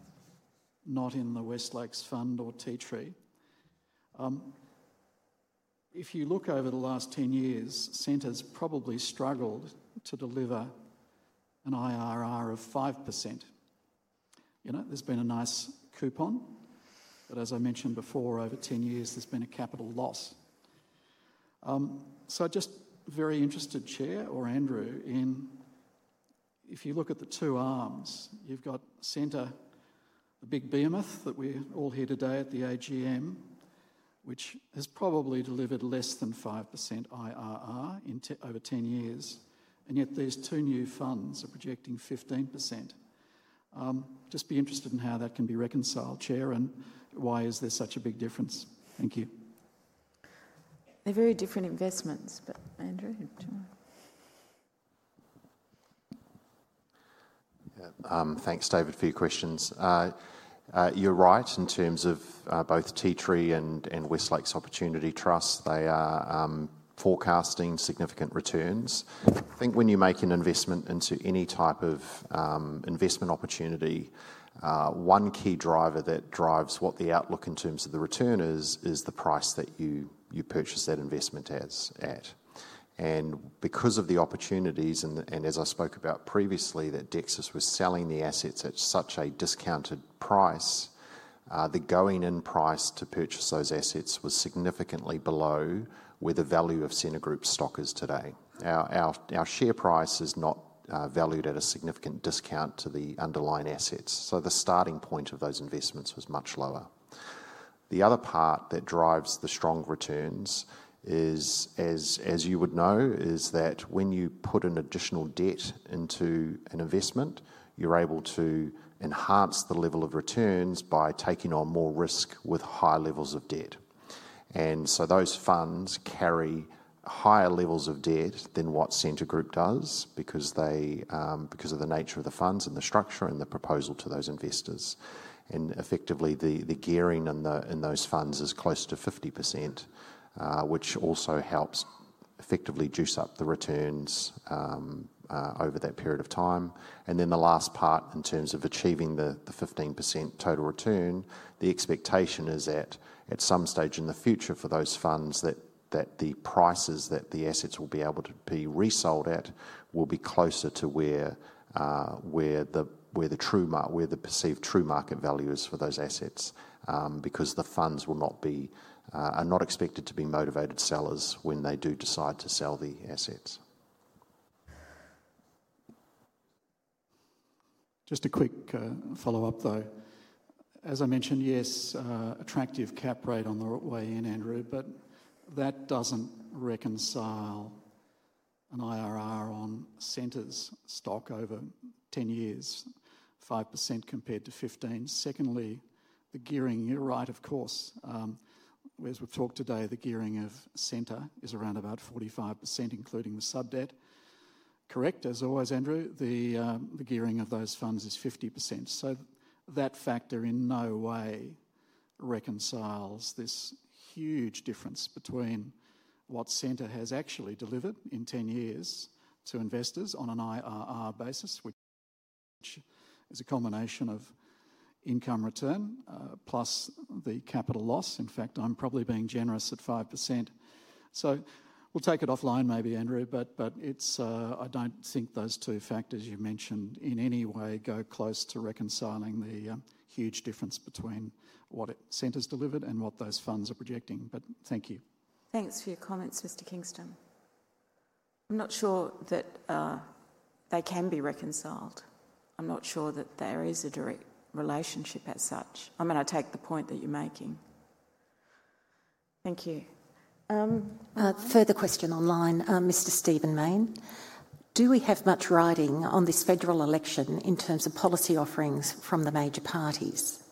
not in the West KLakes Fund or Tea Tree. If you look over the last 10 years, Scentre's probably struggled to deliver an IRR of 5%. There's been a nice coupon. As I mentioned before, over 10 years, there has been a capital loss. I am just very interested, Chair, or Andrew, if you look at the two arms, you have Scentre, the big behemoth that we are all here today at the AGM, which has probably delivered less than 5% IRR over 10 years. Yet these two new funds are projecting 15%. I would be interested in how that can be reconciled, Chair, and why there is such a big difference. Thank you. They are very different investments, but Andrew, do you want to? Thanks, David, for your questions. You are right in terms of both Tea Tree and West Lakes Opportunity Trust. They are forecasting significant returns. I think when you make an investment into any type of investment opportunity, one key driver that drives what the outlook in terms of the return is, is the price that you purchase that investment at. Because of the opportunities, and as I spoke about previously, that Dexus was selling the assets at such a discounted price, the going-in price to purchase those assets was significantly below where the value of Scentre Group stock is today. Our share price is not valued at a significant discount to the underlying assets. The starting point of those investments was much lower. The other part that drives the strong returns, as you would know, is that when you put an additional debt into an investment, you're able to enhance the level of returns by taking on more risk with high levels of debt. Those funds carry higher levels of debt than what Scentre Group does because of the nature of the funds and the structure and the proposal to those investors. Effectively, the gearing in those funds is close to 50%, which also helps effectively juice up the returns over that period of time. The last part in terms of achieving the 15% total return, the expectation is that at some stage in the future for those funds, the prices that the assets will be able to be resold at will be closer to where the true market value is for those assets because the funds will not be and not expected to be motivated sellers when they do decide to sell the assets. Just a quick follow-up, though. As I mentioned, yes, attractive cap rate on the way in, Andrew, but that does not reconcile an IRR on Scentre's stock over 10 years, 5% compared to 15%. Secondly, the gearing, you're right, of course. As we've talked today, the gearing of Scentre is around about 45%, including the sub debt. Correct, as always, Andrew. The gearing of those funds is 50%. That factor in no way reconciles this huge difference between what Scentre has actually delivered in 10 years to investors on an IRR basis, which is a combination of income return plus the capital loss. In fact, I'm probably being generous at 5%. We'll take it offline maybe, Andrew, but I don't think those two factors you mentioned in any way go close to reconciling the huge difference between what Scentre's delivered and what those funds are projecting. Thank you. Thanks for your comments, Mr. Kingston. I'm not sure that they can be reconciled. I'm not sure that there is a direct relationship as such. I mean, I take the point that you're making. Thank you. Further question online, Mr. Stephen Maine. Do we have much riding on this federal election in terms of policy offerings from the major parties?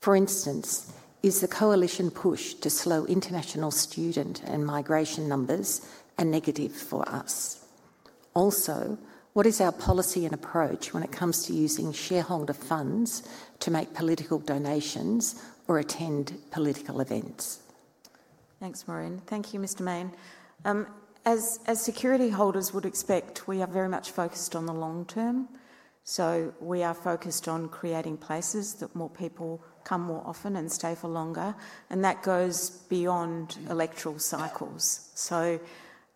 For instance, is the coalition push to slow international student and migration numbers a negative for us? Also, what is our policy and approach when it comes to using shareholder funds to make political donations or attend political events? Thanks, Maureen. Thank you, Mr. Maine. As security holders would expect, we are very much focused on the long term. We are focused on creating places that more people come more often and stay for longer. That goes beyond electoral cycles.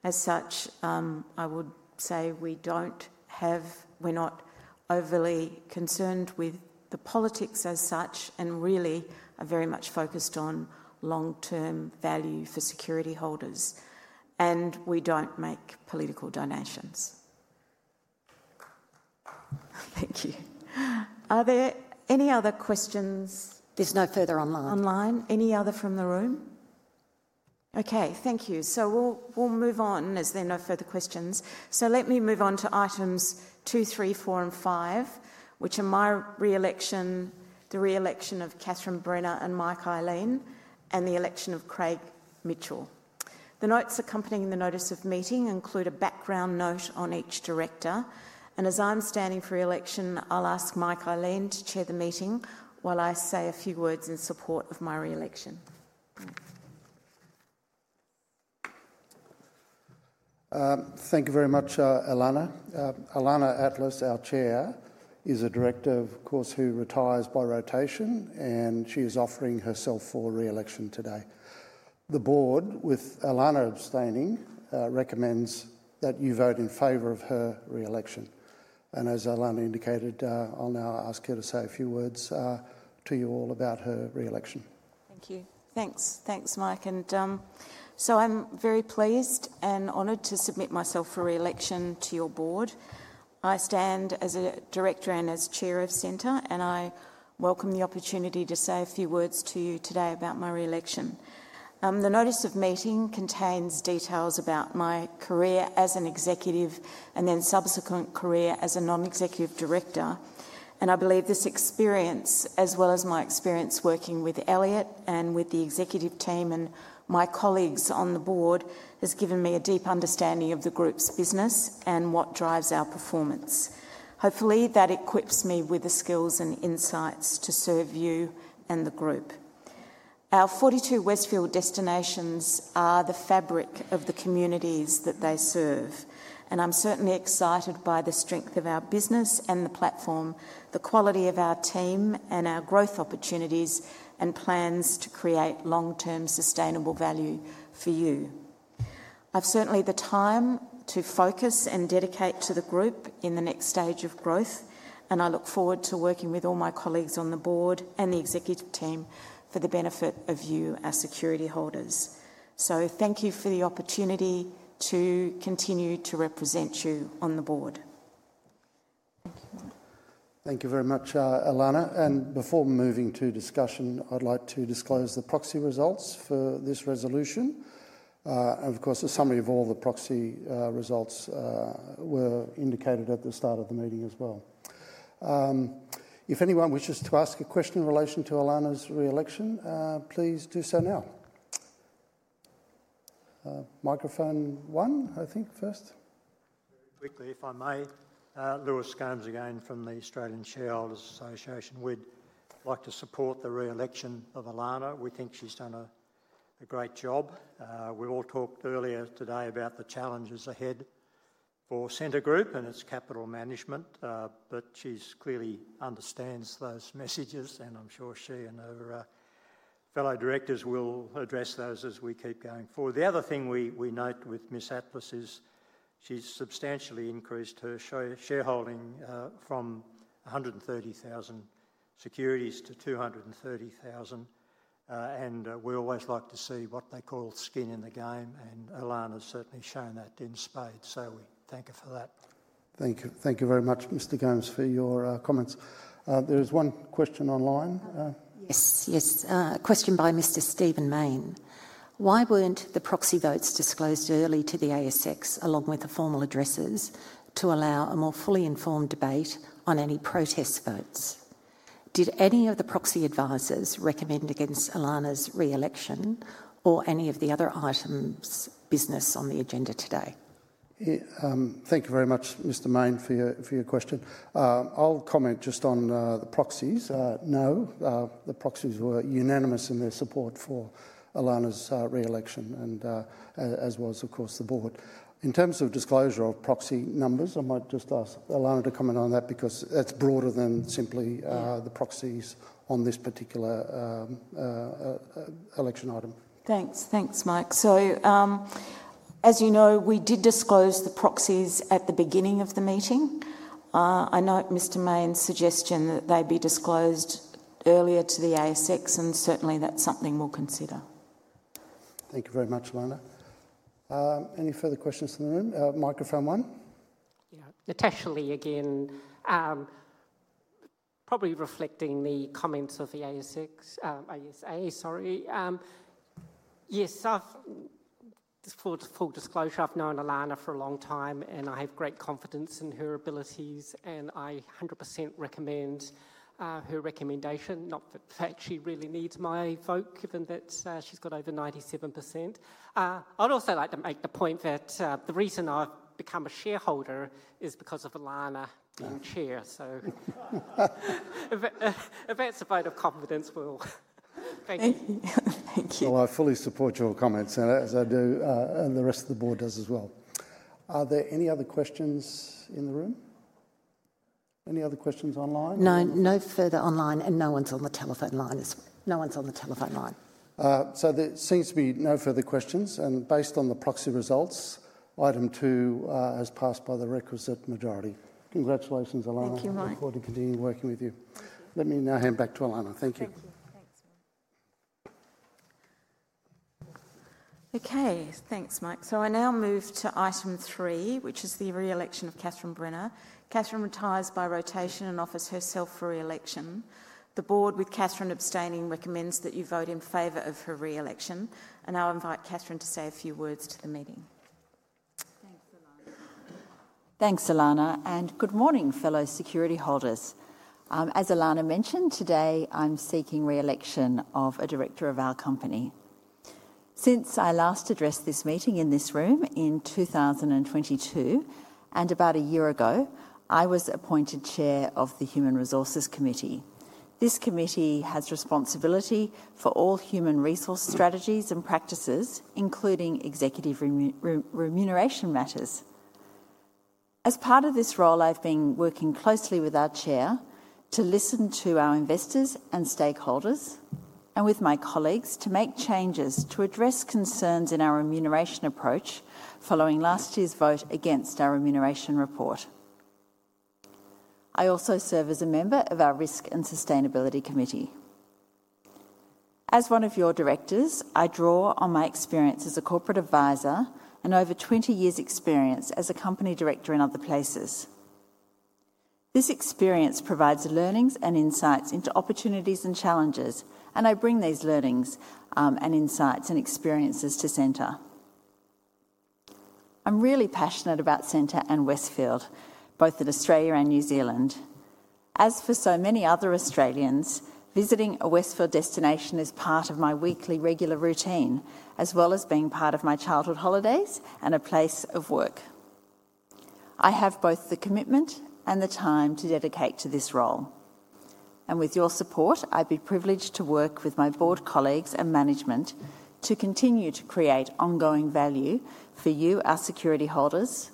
As such, I would say we are not overly concerned with the politics as such and really are very much focused on long-term value for security holders. We do not make political donations. Thank you. Are there any other questions? There is no further online. Any other from the room? Okay, thank you. We will move on as there are no further questions. Let me move on to items two, three, four, and five, which are my re-election, the re-election of Catherine Brenner and Mike Ihlein, and the election of Craig Mitchell. The notes accompanying the notice of meeting include a background note on each director. As I am standing for re-election, I will ask Mike Ihlein to chair the meeting while I say a few words in support of my re-election. Thank you very much, Ilana. Ilana Atlas, our chair, is a director of course who retires by rotation, and she is offering herself for re-election today. The board, with Ilana abstaining, recommends that you vote in favor of her re-election. As Ilana indicated, I will now ask her to say a few words to you all about her re-election. Thank you. Thanks. Thanks, Mike. I am very pleased and honored to submit myself for re-election to your board. I stand as a director and as Chair of Scentre, and I welcome the opportunity to say a few words to you today about my re-election. The notice of meeting contains details about my career as an executive and then subsequent career as a non-executive director. I believe this experience, as well as my experience working with Elliott and with the executive team and my colleagues on the board, has given me a deep understanding of the group's business and what drives our performance. Hopefully, that equips me with the skills and insights to serve you and the group. Our 42 Westfield destinations are the fabric of the communities that they serve. I'm certainly excited by the strength of our business and the platform, the quality of our team, and our growth opportunities and plans to create long-term sustainable value for you. I've certainly the time to focus and dedicate to the group in the next stage of growth, and I look forward to working with all my colleagues on the board and the executive team for the benefit of you as security holders. Thank you for the opportunity to continue to represent you on the board. Thank you. Thank you very much, Ilana. Before moving to discussion, I'd like to disclose the proxy results for this resolution. A summary of all the proxy results were indicated at the start of the meeting as well. If anyone wishes to ask a question in relation to Ilana's re-election, please do so now. Microphone one, I think, first. Very quickly, if I may, Lewis Scammell again from the Australian Shareholders Association. We'd like to support the re-election of Ilana. We think she's done a great job. We all talked earlier today about the challenges ahead for Scentre Group and its capital management, but she clearly understands those messages, and I'm sure she and her fellow directors will address those as we keep going forward. The other thing we note with Ms. Atlas is she's substantially increased her shareholding from 130,000 securities to 230,000. We always like to see what they call skin in the game, and Ilana's certainly shown that in spades, so we thank her for that. Thank you very much, Mr. Scammell, for your comments. There is one question online. Yes, yes. Question by Mr. Stephen Maine. Why weren't the proxy votes disclosed early to the ASX, along with the formal addresses, to allow a more fully informed debate on any protest votes? Did any of the proxy advisors recommend against Ilana's re-election or any of the other items' business on the agenda today? Thank you very much, Mr. Maine, for your question. I'll comment just on the proxies. No. The proxies were unanimous in their support for Ilana's re-election, as was, of course, the board. In terms of disclosure of proxy numbers, I might just ask Ilana to comment on that because that's broader than simply the proxies on this particular election item. Thanks. Thanks, Mike. As you know, we did disclose the proxies at the beginning of the meeting. I note Mr. Maine's suggestion that they be disclosed earlier to the ASX, and certainly that's something we'll consider. Thank you very much, Ilana. Any further questions from the room? Microphone one. Yeah, Natasha Lee again. Probably reflecting the comments of the ASX. Sorry. Yes, full disclosure, I've known Ilana for a long time, and I have great confidence in her abilities, and I 100% recommend her recommendation. Not that she really needs my vote, given that she's got over 97%. I'd also like to make the point that the reason I've become a shareholder is because of Ilana being chair, so if that's a vote of confidence, we'll thank you. Thank you. I fully support your comments, as I do, and the rest of the board does as well. Are there any other questions in the room? Any other questions online? No. No further online, and no one's on the telephone line as well. No one's on the telephone line. There seems to be no further questions. Based on the proxy results, item two has passed by the requisite majority. Congratulations, Ilana. Thank you, Mike. I look forward to continuing working with you. Let me now hand back to Ilana. Thank you. Okay, thanks, Mike. I now move to item three, which is the re-election of Catherine Brenner. Catherine retires by rotation and offers herself for re-election. The board, with Catherine abstaining, recommends that you vote in favor of her re-election. I'll invite Catherine to say a few words to the meeting. Thanks, Ilana. Good morning, fellow security holders. As Ilana mentioned, today I'm seeking re-election of a director of our company. Since I last addressed this meeting in this room in 2022 and about a year ago, I was appointed Chair of the Human Resources Committee. This committee has responsibility for all human resource strategies and practices, including executive remuneration matters. As part of this role, I've been working closely with our Chair to listen to our investors and stakeholders, and with my colleagues to make changes to address concerns in our remuneration approach following last year's vote against our remuneration report. I also serve as a member of our Risk and Sustainability Committee. As one of your directors, I draw on my experience as a corporate advisor and over 20 years' experience as a company director in other places. This experience provides learnings and insights into opportunities and challenges, and I bring these learnings and insights and experiences to Scentre. I'm really passionate about Scentre and Westfield, both in Australia and New Zealand. As for so many other Australians, visiting a Westfield destination is part of my weekly regular routine, as well as being part of my childhood holidays and a place of work. I have both the commitment and the time to dedicate to this role. With your support, I'd be privileged to work with my board colleagues and management to continue to create ongoing value for you, our security holders,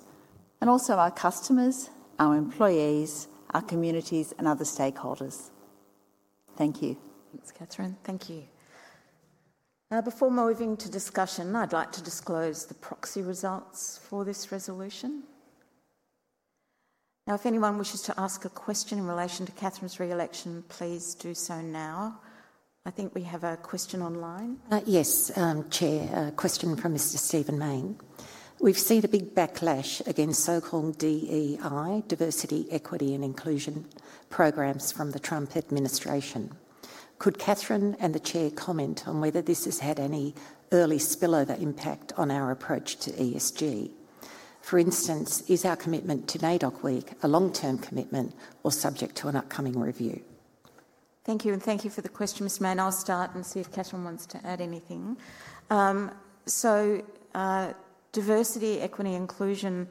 and also our customers, our employees, our communities, and other stakeholders. Thank you. Thanks, Catherine. Thank you. Now, before moving to discussion, I'd like to disclose the proxy results for this resolution. If anyone wishes to ask a question in relation to Catherine's re-election, please do so now. I think we have a question online. Yes, Chair. Question from Mr. Stephen Maine. We've seen a big backlash against so-called DEI, Diversity, Equity, and Inclusion programs from the Trump administration. Could Catherine and the Chair comment on whether this has had any early spillover impact on our approach to ESG? For instance, is our commitment to NAIDOC Week a long-term commitment or subject to an upcoming review? Thank you. Thank you for the question, Mr. Maine. I'll start and see if Catherine wants to add anything. Diversity, equity, inclusion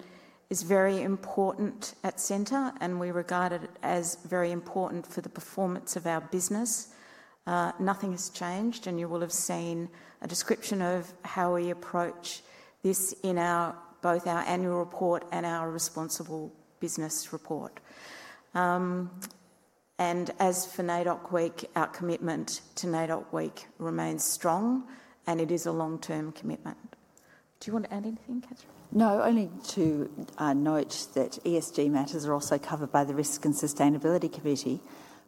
is very important at Scentre, and we regard it as very important for the performance of our business. Nothing has changed, and you will have seen a description of how we approach this in both our annual report and our responsible business report. As for NAIDOC Week, our commitment to NAIDOC Week remains strong, and it is a long-term commitment. Do you want to add anything, Catherine? No, only to note that ESG matters are also covered by the Risk and Sustainability Committee,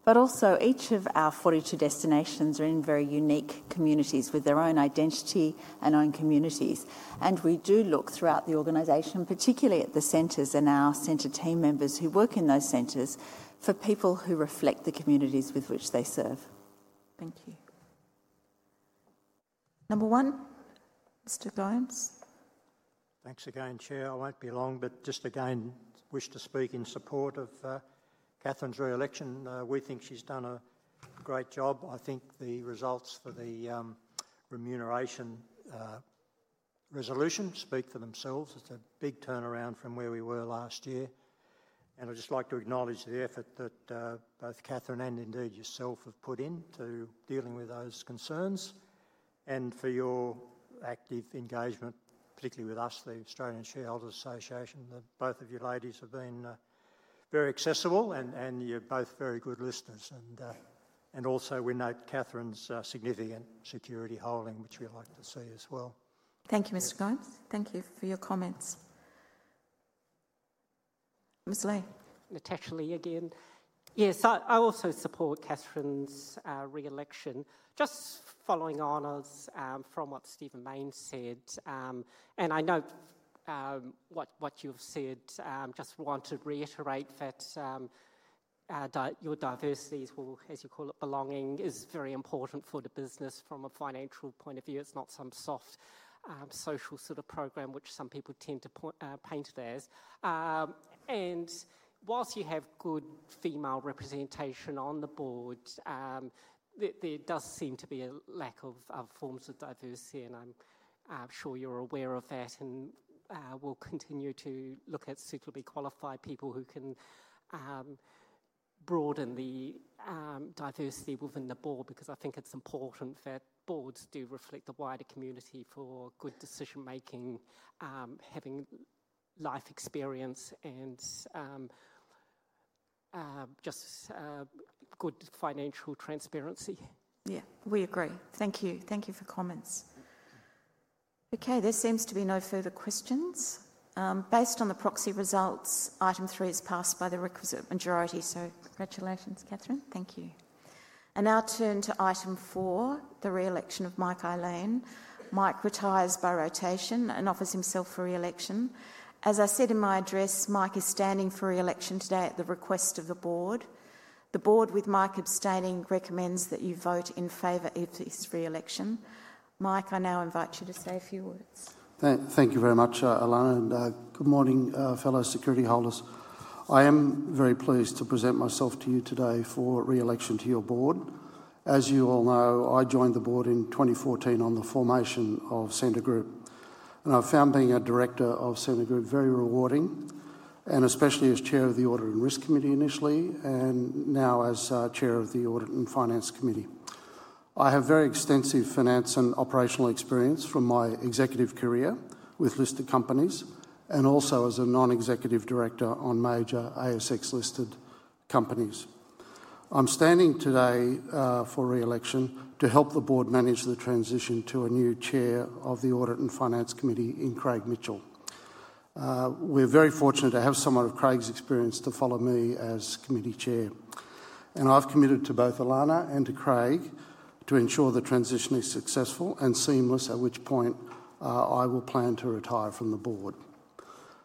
but also each of our 42 destinations are in very unique communities with their own identity and own communities. We do look throughout the organization, particularly at the centers and our center team members who work in those centers, for people who reflect the communities with which they serve. Thank you. Number one, Mr. Scammell. Thanks again, Chair. I won't be long, but just again, wish to speak in support of Catherine's re-election. We think she's done a great job. I think the results for the remuneration resolution speak for themselves. It's a big turnaround from where we were last year. I would just like to acknowledge the effort that both Catherine and indeed yourself have put into dealing with those concerns and for your active engagement, particularly with us, the Australian Shareholders Association. Both of you ladies have been very accessible, and you are both very good listeners. We also note Catherine's significant security holding, which we like to see as well. Thank you, Mr. Scammell. Thank you for your comments. Ms. Lee. Natasha Lee again. Yes, I also support Catherine's re-election, just following on from what Stephen Maine said. I note what you have said, and I just want to reiterate that your diversity is, as you call it, belonging, and it is very important for the business from a financial point of view. It is not some soft social sort of program, which some people tend to paint it as. Whilst you have good female representation on the board, there does seem to be a lack of forms of diversity, and I'm sure you're aware of that. We will continue to look at suitably qualified people who can broaden the diversity within the board, because I think it's important that boards do reflect the wider community for good decision-making, having life experience, and just good financial transparency. Yeah, we agree. Thank you. Thank you for comments. There seems to be no further questions. Based on the proxy results, item three is passed by the requisite majority. Congratulations, Catherine. Thank you. I now turn to item four, the re-election of Mike Ihlein. Mike retires by rotation and offers himself for re-election. As I said in my address, Mike is standing for re-election today at the request of the board. The board, with Mike abstaining, recommends that you vote in favor of his re-election. Mike, I now invite you to say a few words. Thank you very much, Ilana. Good morning, fellow security holders. I am very pleased to present myself to you today for re-election to your board. As you all know, I joined the board in 2014 on the formation of Scentre Group, and I found being a director of Scentre Group very rewarding, especially as Chair of the Audit and Risk Committee initially, and now as Chair of the Audit and Finance Committee. I have very extensive finance and operational experience from my executive career with listed companies, and also as a non-executive director on major ASX-listed companies. I'm standing today for re-election to help the board manage the transition to a new Chair of the Audit and Finance Committee in Craig Mitchell. We're very fortunate to have somewhat of Craig's experience to follow me as committee chair. I have committed to both Ilana and to Craig to ensure the transition is successful and seamless, at which point I will plan to retire from the board.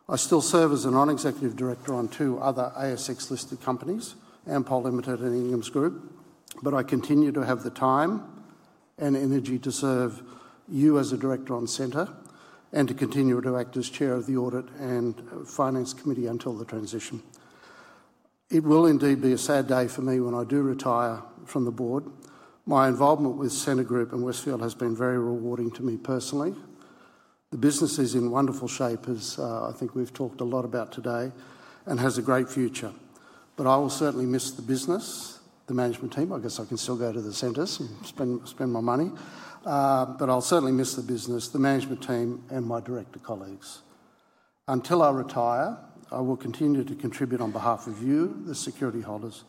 I still serve as a non-executive director on two other ASX-listed companies, Ampol Limited and Inghams Group, but I continue to have the time and energy to serve you as a director on Scentre and to continue to act as chair of the Audit and Finance Committee until the transition. It will indeed be a sad day for me when I do retire from the board. My involvement with Scentre Group and Westfield has been very rewarding to me personally. The business is in wonderful shape, as I think we've talked a lot about today, and has a great future. I will certainly miss the business, the management team. I guess I can still go to the centres and spend my money, but I'll certainly miss the business, the management team, and my director colleagues. Until I retire, I will continue to contribute on behalf of you, the security holders,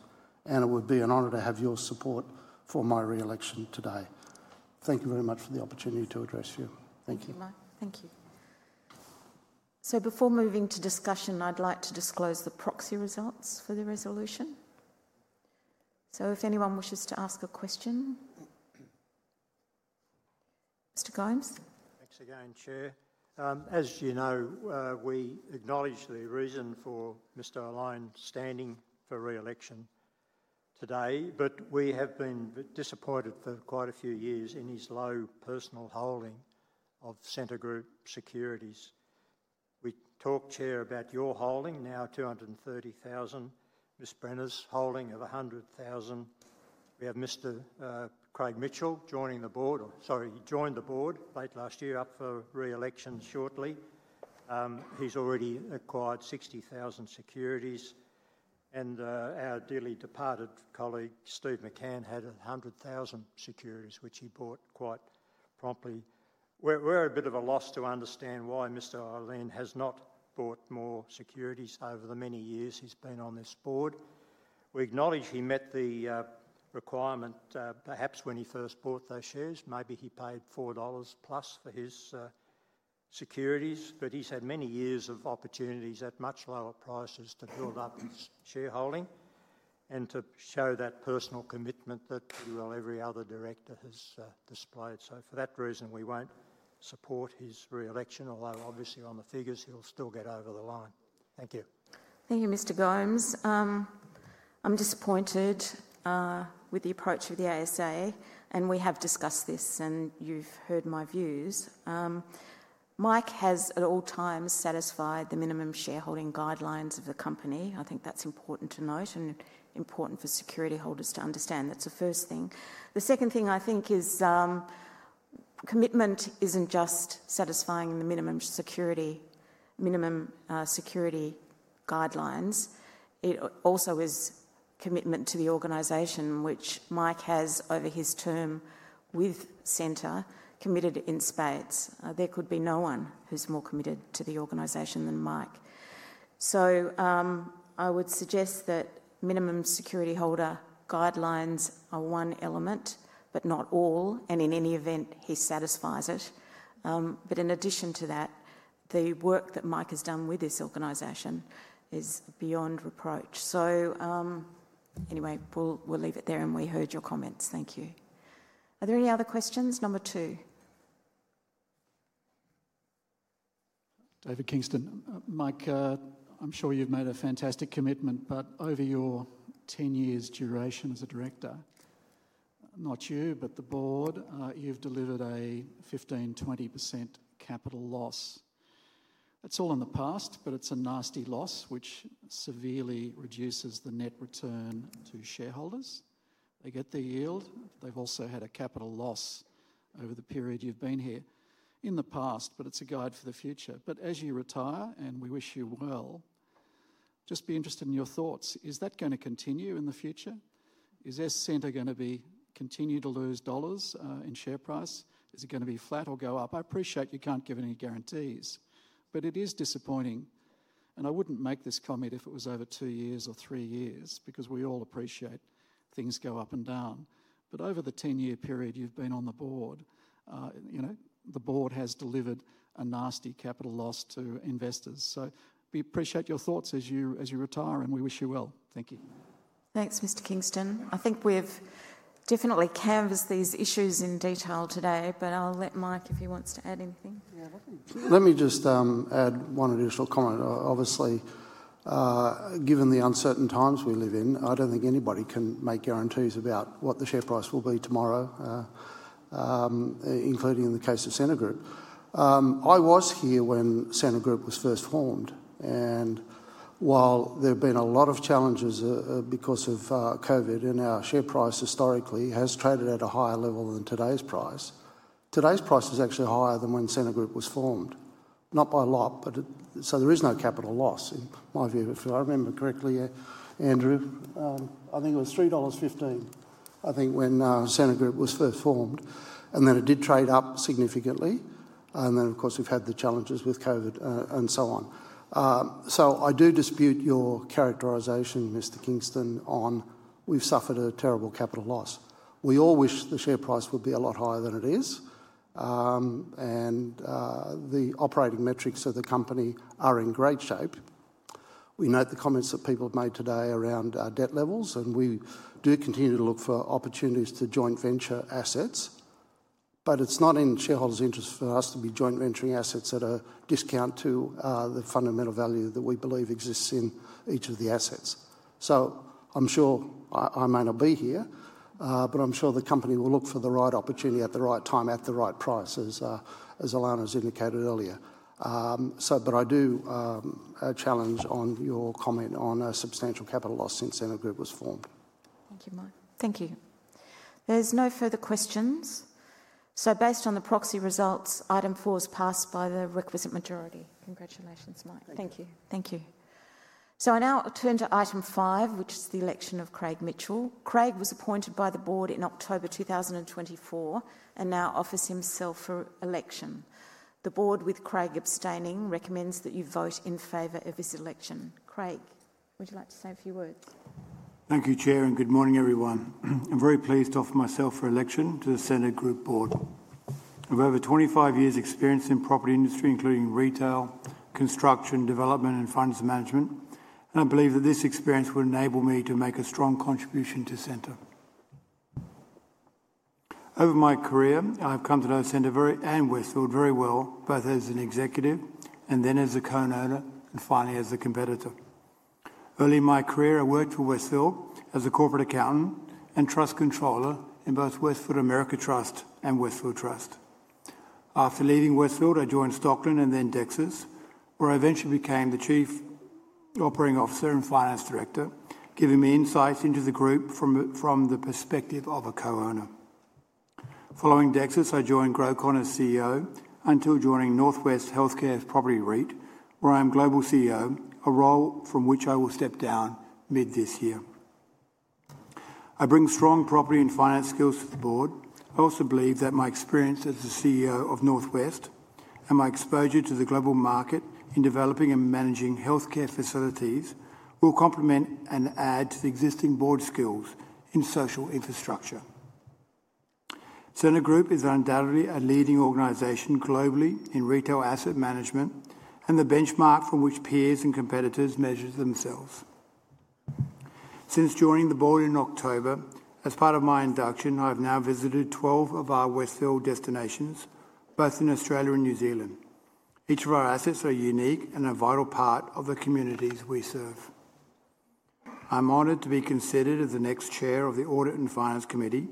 and it would be an honor to have your support for my re-election today. Thank you very much for the opportunity to address you. Thank you. Thank you. Before moving to discussion, I'd like to disclose the proxy results for the resolution. If anyone wishes to ask a question, Mr. Scammell. Thanks again, Chair. As you know, we acknowledge the reason for Mr. Ihlein standing for re-election today, but we have been disappointed for quite a few years in his low personal holding of Scentre Group securities. We talked, Chair, about your holding, now 230,000, Ms. Brenner's holding of 100,000. We have Mr. Craig Mitchell joining the board, or sorry, he joined the board late last year, up for re-election shortly. He's already acquired 60,000 securities, and our dearly departed colleague, Steve McCann, had 100,000 securities, which he bought quite promptly. We're a bit of a loss to understand why Mr. Ihlein has not bought more securities over the many years he's been on this board. We acknowledge he met the requirement, perhaps when he first bought those shares, maybe he paid 4 dollars plus for his securities, but he's had many years of opportunities at much lower prices to build up his shareholding and to show that personal commitment that every other director has displayed. For that reason, we won't support his re-election, although obviously on the figures, he'll still get over the line. Thank you. Thank you, Mr. Scammell. I'm disappointed with the approach of the ASA, and we have discussed this, and you've heard my views. Mike has at all times satisfied the minimum shareholding guidelines of the company. I think that's important to note and important for security holders to understand. That's the first thing. The second thing I think is commitment isn't just satisfying the minimum security guidelines. It also is commitment to the organisation, which Mike has over his term with Scentre committed in spades. There could be no one who's more committed to the organisation than Mike. I would suggest that minimum security holder guidelines are one element, but not all, and in any event, he satisfies it. In addition to that, the work that Mike has done with this organisation is beyond reproach. We'll leave it there, and we heard your comments. Thank you. Are there any other questions? Number two. David Kingston. Mike, I'm sure you've made a fantastic commitment, but over your 10 years' duration as a director, not you, but the board, you've delivered a 15%-20% capital loss. It's all in the past, but it's a nasty loss, which severely reduces the net return to shareholders. They get the yield. They've also had a capital loss over the period you've been here in the past, but it's a guide for the future. As you retire, and we wish you well, just be interested in your thoughts. Is that going to continue in the future? Is this Scentre going to continue to lose dollars in share price? Is it going to be flat or go up? I appreciate you can't give any guarantees, but it is disappointing. I would not make this comment if it was over two years or three years, because we all appreciate things go up and down. Over the 10-year period you have been on the board, the board has delivered a nasty capital loss to investors. We appreciate your thoughts as you retire, and we wish you well. Thank you. Thanks, Mr. Kingston. I think we have definitely canvassed these issues in detail today, but I will let Mike, if he wants to add anything. Yeah, let me just add one additional comment. Obviously, given the uncertain times we live in, I do not think anybody can make guarantees about what the share price will be tomorrow, including in the case of Scentre Group. I was here when Scentre Group was first formed, and while there have been a lot of challenges because of COVID, and our share price historically has traded at a higher level than today's price, today's price is actually higher than when Scentre Group was formed. Not by a lot, but so there is no capital loss, in my view, if I remember correctly, Andrew. I think it was $3.15, I think, when Scentre Group was first formed, and then it did trade up significantly. And then, of course, we've had the challenges with COVID and so on. I do dispute your characterisation, Mr. Kingston, on we've suffered a terrible capital loss. We all wish the share price would be a lot higher than it is, and the operating metrics of the company are in great shape. We note the comments that people have made today around debt levels, and we do continue to look for opportunities to joint venture assets, but it is not in shareholders' interest for us to be joint venturing assets at a discount to the fundamental value that we believe exists in each of the assets. I am sure I may not be here, but I am sure the company will look for the right opportunity at the right time at the right price, as Ilana has indicated earlier. I do challenge your comment on a substantial capital loss since Scentre Group was formed. Thank you, Mike. Thank you. There are no further questions. Based on the proxy results, item four is passed by the requisite majority. Congratulations, Mike. Thank you. I now turn to item five, which is the election of Craig Mitchell. Craig was appointed by the board in October 2024 and now offers himself for election. The board, with Craig abstaining, recommends that you vote in favor of his election. Craig, would you like to say a few words? Thank you, Chair, and good morning, everyone. I'm very pleased to offer myself for election to the Scentre Group board. I have over 25 years' experience in the property industry, including retail, construction, development, and finance management, and I believe that this experience will enable me to make a strong contribution to Scentre. Over my career, I have come to know Scentre and Westfield very well, both as an executive and then as a co-owner, and finally as a competitor. Early in my career, I worked for Westfield as a corporate accountant and trust controller in both Westfield America Trust and Westfield Trust. After leaving Westfield, I joined Stockland and then Dexus, where I eventually became the Chief Operating Officer and Finance Director, giving me insights into the group from the perspective of a co-owner. Following Dexus, I joined Grocon as CEO until joining Northwest Healthcare Properties REIT, where I am global CEO, a role from which I will step down mid this year. I bring strong property and finance skills to the board. I also believe that my experience as the CEO of Northwest and my exposure to the global market in developing and managing healthcare facilities will complement and add to the existing board skills in social infrastructure. Scentre Group is undoubtedly a leading organisation globally in retail asset management and the benchmark from which peers and competitors measure themselves. Since joining the board in October, as part of my induction, I have now visited 12 of our Westfield destinations, both in Australia and New Zealand. Each of our assets are unique and a vital part of the communities we serve. I'm honored to be considered as the next Chair of the Audit and Finance Committee,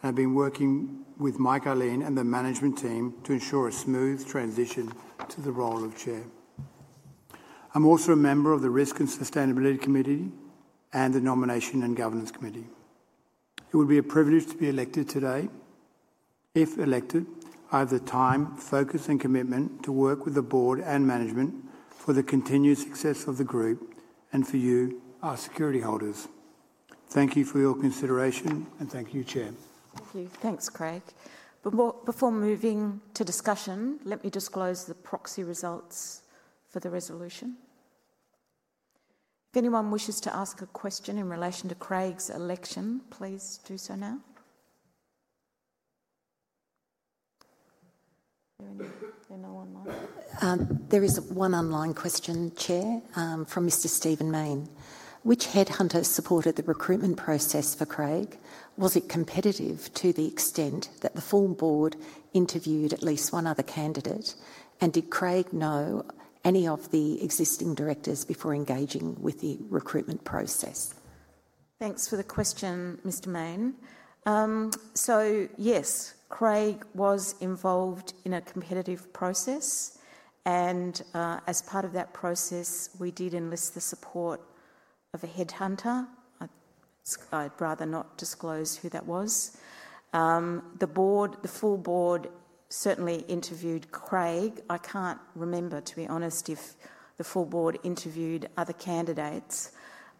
and I've been working with Mike Ihlein and the management team to ensure a smooth transition to the role of Chair. I'm also a member of the Risk and Sustainability Committee and the Nomination and Governance Committee. It would be a privilege to be elected today. If elected, I have the time, focus, and commitment to work with the board and management for the continued success of the group and for you, our security holders. Thank you for your consideration, and thank you, Chair. Thank you. Thanks, Craig. Before moving to discussion, let me disclose the proxy results for the resolution. If anyone wishes to ask a question in relation to Craig's election, please do so now. There is one online question, Chair, from Mr. Stephen Maine. Which headhunter supported the recruitment process for Craig? Was it competitive to the extent that the full board interviewed at least one other candidate? Did Craig know any of the existing directors before engaging with the recruitment process? Thanks for the question, Mr. Maine. Yes, Craig was involved in a competitive process, and as part of that process, we did enlist the support of a headhunter. I'd rather not disclose who that was. The full board certainly interviewed Craig. I can't remember, to be honest, if the full board interviewed other candidates.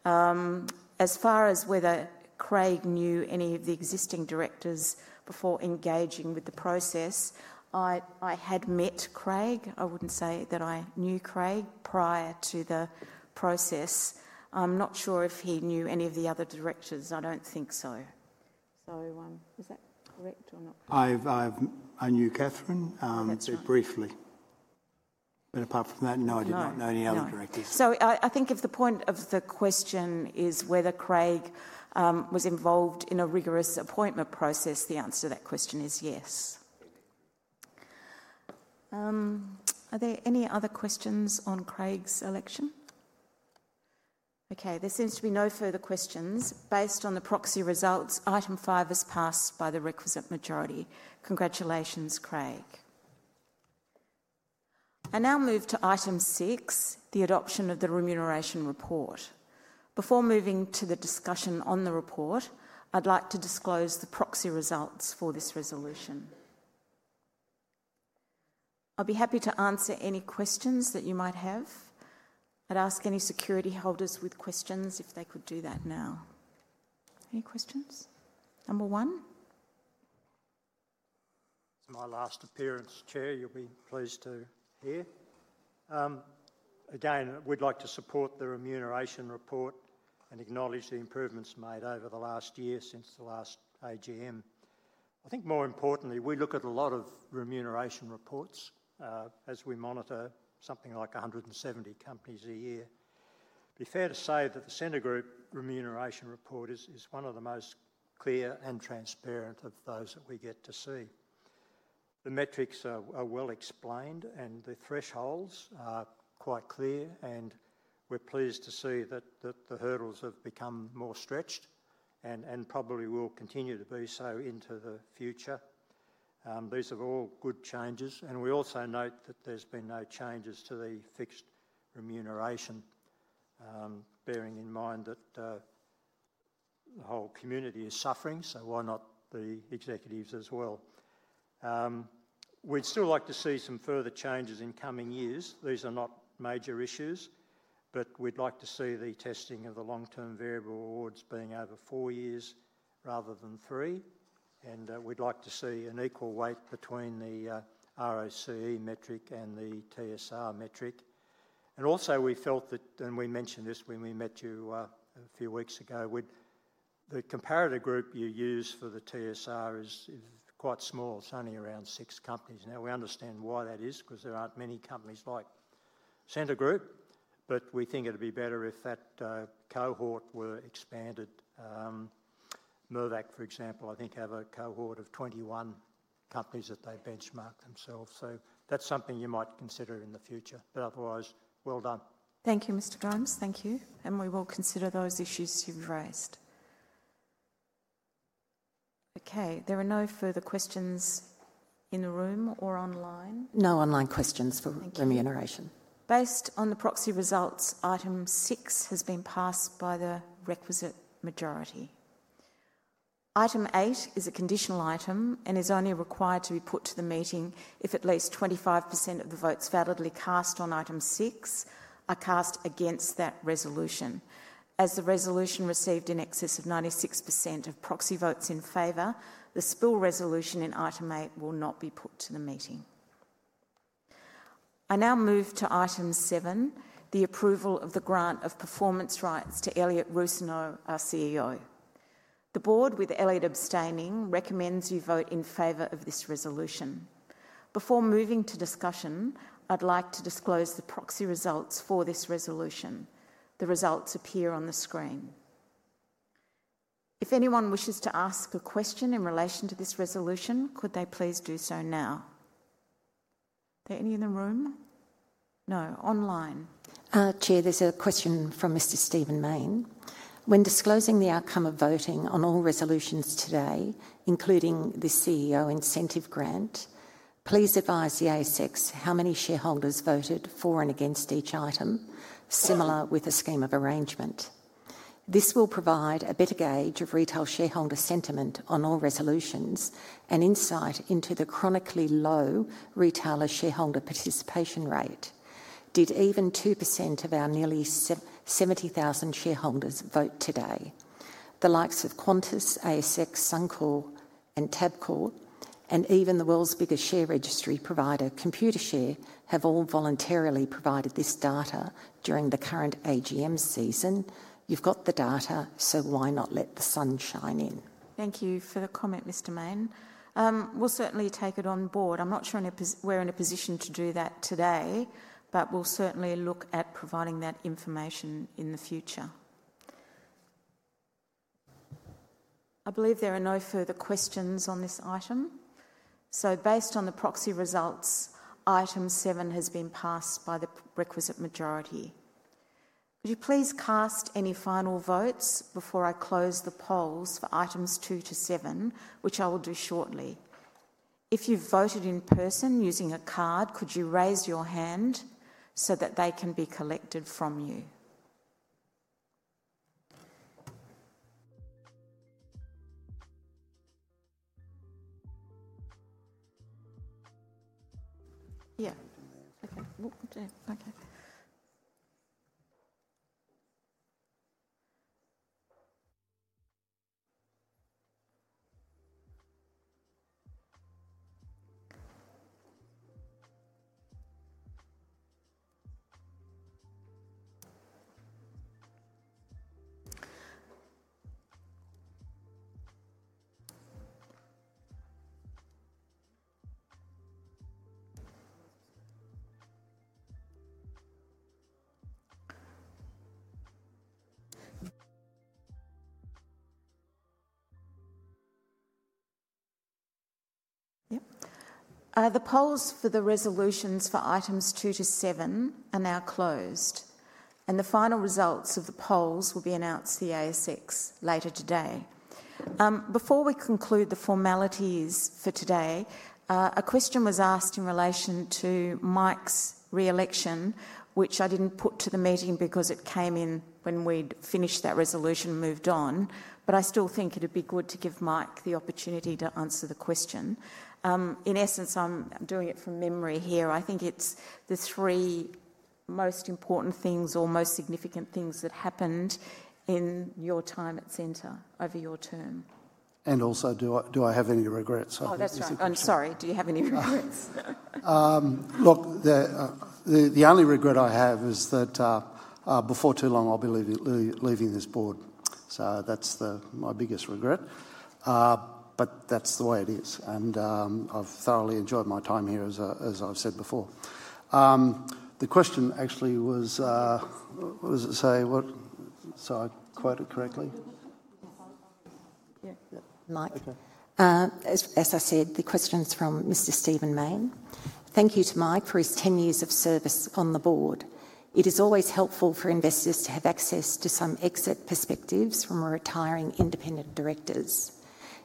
As far as whether Craig knew any of the existing directors before engaging with the process, I had met Craig. I would not say that I knew Craig prior to the process. I am not sure if he knew any of the other directors. I do not think so. Was that correct or not? I knew Catherine very briefly. Apart from that, no, I did not know any other directors. I think if the point of the question is whether Craig was involved in a rigorous appointment process, the answer to that question is yes. Are there any other questions on Craig's election? There seems to be no further questions. Based on the proxy results, item five is passed by the requisite majority. Congratulations, Craig. I now move to item six, the adoption of the remuneration report. Before moving to the discussion on the report, I'd like to disclose the proxy results for this resolution. I'll be happy to answer any questions that you might have. I'd ask any security holders with questions if they could do that now. Any questions? Number one. It's my last appearance, Chair. You'll be pleased to hear. Again, we'd like to support the remuneration report and acknowledge the improvements made over the last year since the last AGM. I think more importantly, we look at a lot of remuneration reports as we monitor something like 170 companies a year. It'd be fair to say that the Scentre Group remuneration report is one of the most clear and transparent of those that we get to see. The metrics are well explained, and the thresholds are quite clear, and we're pleased to see that the hurdles have become more stretched and probably will continue to be so into the future. These are all good changes, and we also note that there's been no changes to the fixed remuneration, bearing in mind that the whole community is suffering, so why not the executives as well. We'd still like to see some further changes in coming years. These are not major issues, but we'd like to see the testing of the long-term variable awards being over four years rather than three, and we'd like to see an equal weight between the ROCE metric and the TSR metric. Also, we felt that, and we mentioned this when we met you a few weeks ago, the comparator group you use for the TSR is quite small. It's only around six companies. Now, we understand why that is, because there aren't many companies like Scentre Group, but we think it'd be better if that cohort were expanded. Mirvac, for example, I think, have a cohort of 21 companies that they've benchmarked themselves. That is something you might consider in the future. Otherwise, well done. Thank you, Mr. Scammell. Thank you. We will consider those issues you've raised. There are no further questions in the room or online. No online questions for remuneration. Based on the proxy results, item six has been passed by the requisite majority. Item eight is a conditional item and is only required to be put to the meeting if at least 25% of the votes validly cast on item six are cast against that resolution. As the resolution received in excess of 96% of proxy votes in favor, the spill resolution in item eight will not be put to the meeting. I now move to item seven, the approval of the grant of performance rights to Elliott Rusanow, our CEO. The board, with Elliott abstaining, recommends you vote in favor of this resolution. Before moving to discussion, I'd like to disclose the proxy results for this resolution. The results appear on the screen. If anyone wishes to ask a question in relation to this resolution, could they please do so now? Are there any in the room? No. Online. Chair, there's a question from Mr. Stephen Maine. When disclosing the outcome of voting on all resolutions today, including the CEO incentive grant, please advise the ASX how many shareholders voted for and against each item, similar with a scheme of arrangement. This will provide a better gauge of retail shareholder sentiment on all resolutions and insight into the chronically low retail shareholder participation rate. Did even 2% of our nearly 70,000 shareholders vote today? The likes of Qantas, ASX, Suncor, and Tabcor, and even the world's biggest share registry provider, Computershare, have all voluntarily provided this data during the current AGM season. You've got the data, so why not let the sun shine in? Thank you for the comment, Mr. Maine. We'll certainly take it on board. I'm not sure we're in a position to do that today, but we'll certainly look at providing that information in the future. I believe there are no further questions on this item. Based on the proxy results, item seven has been passed by the requisite majority. Could you please cast any final votes before I close the polls for items two to seven, which I will do shortly? If you've voted in person using a card, could you raise your hand so that they can be collected from you? Okay. Yep. The polls for the resolutions for items two to seven are now closed, and the final results of the polls will be announced to the ASX later today. Before we conclude the formalities for today, a question was asked in relation to Mike's re-election, which I didn't put to the meeting because it came in when we'd finished that resolution and moved on, but I still think it'd be good to give Mike the opportunity to answer the question. In essence, I'm doing it from memory here. I think it's the three most important things or most significant things that happened in your time at Scentre over your term. Also, do I have any regrets? Oh, that's right. I'm sorry. Do you have any regrets? Look, the only regret I have is that before too long, I'll be leaving this board. That's my biggest regret. That's the way it is. I've thoroughly enjoyed my time here, as I've said before. The question actually was, what does it say? I quote it correctly? Yeah. Mike. As I said, the question's from Mr. Stephen Maine. Thank you to Mike for his 10 years of service on the board. It is always helpful for investors to have access to some exit perspectives from retiring independent directors.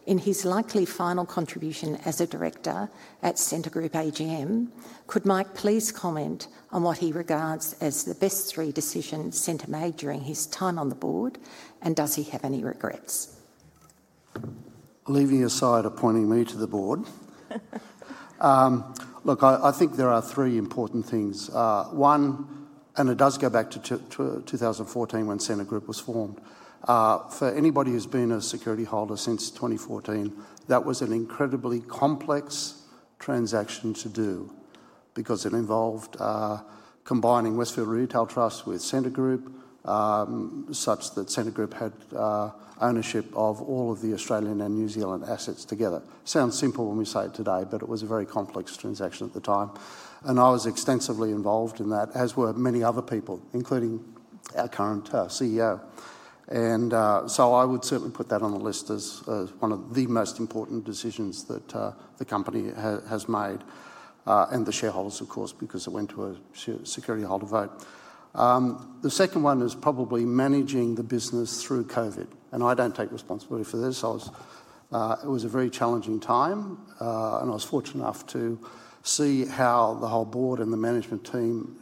In his likely final contribution as a director at Scentre Group AGM, could Mike please comment on what he regards as the best three decisions Scentre made during his time on the board, and does he have any regrets? Leaving aside appointing me to the board. Look, I think there are three important things. One, and it does go back to 2014 when Scentre Group was formed. For anybody who's been a security holder since 2014, that was an incredibly complex transaction to do because it involved combining Westfield Retail Trust with Scentre Group, such that Scentre Group had ownership of all of the Australian and New Zealand assets together. Sounds simple when we say it today, but it was a very complex transaction at the time. I was extensively involved in that, as were many other people, including our current CEO. I would certainly put that on the list as one of the most important decisions that the company has made, and the shareholders, of course, because it went to a security holder vote. The second one is probably managing the business through COVID. I do not take responsibility for this. It was a very challenging time, and I was fortunate enough to see how the whole board and the management team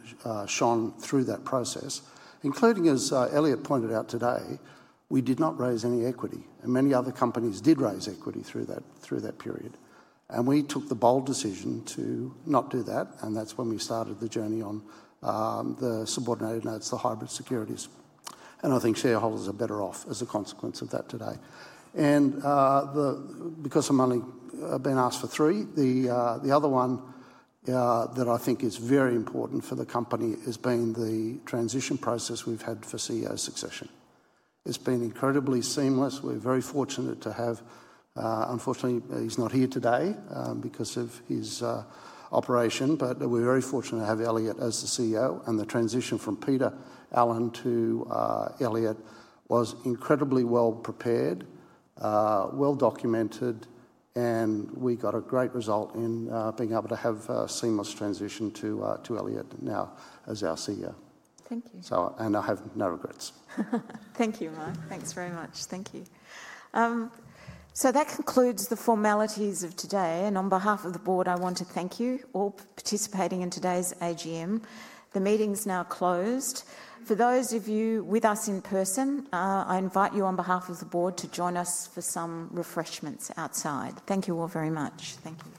shone through that process. Including, as Elliott pointed out today, we did not raise any equity. Many other companies did raise equity through that period. We took the bold decision to not do that, and that is when we started the journey on the subordinated notes, the hybrid securities. I think shareholders are better off as a consequence of that today. Because I've only been asked for three, the other one that I think is very important for the company has been the transition process we've had for CEO succession. It's been incredibly seamless. We're very fortunate to have—unfortunately, he's not here today because of his operation—but we're very fortunate to have Elliott as the CEO. The transition from Peter Allen to Elliott was incredibly well prepared, well documented, and we got a great result in being able to have a seamless transition to Elliott now as our CEO. Thank you. I have no regrets. Thank you, Mike. Thanks very much. Thank you. That concludes the formalities of today. On behalf of the board, I want to thank you all for participating in today's AGM. The meeting's now closed. For those of you with us in person, I invite you on behalf of the board to join us for some refreshments outside. Thank you all very much. Thank you.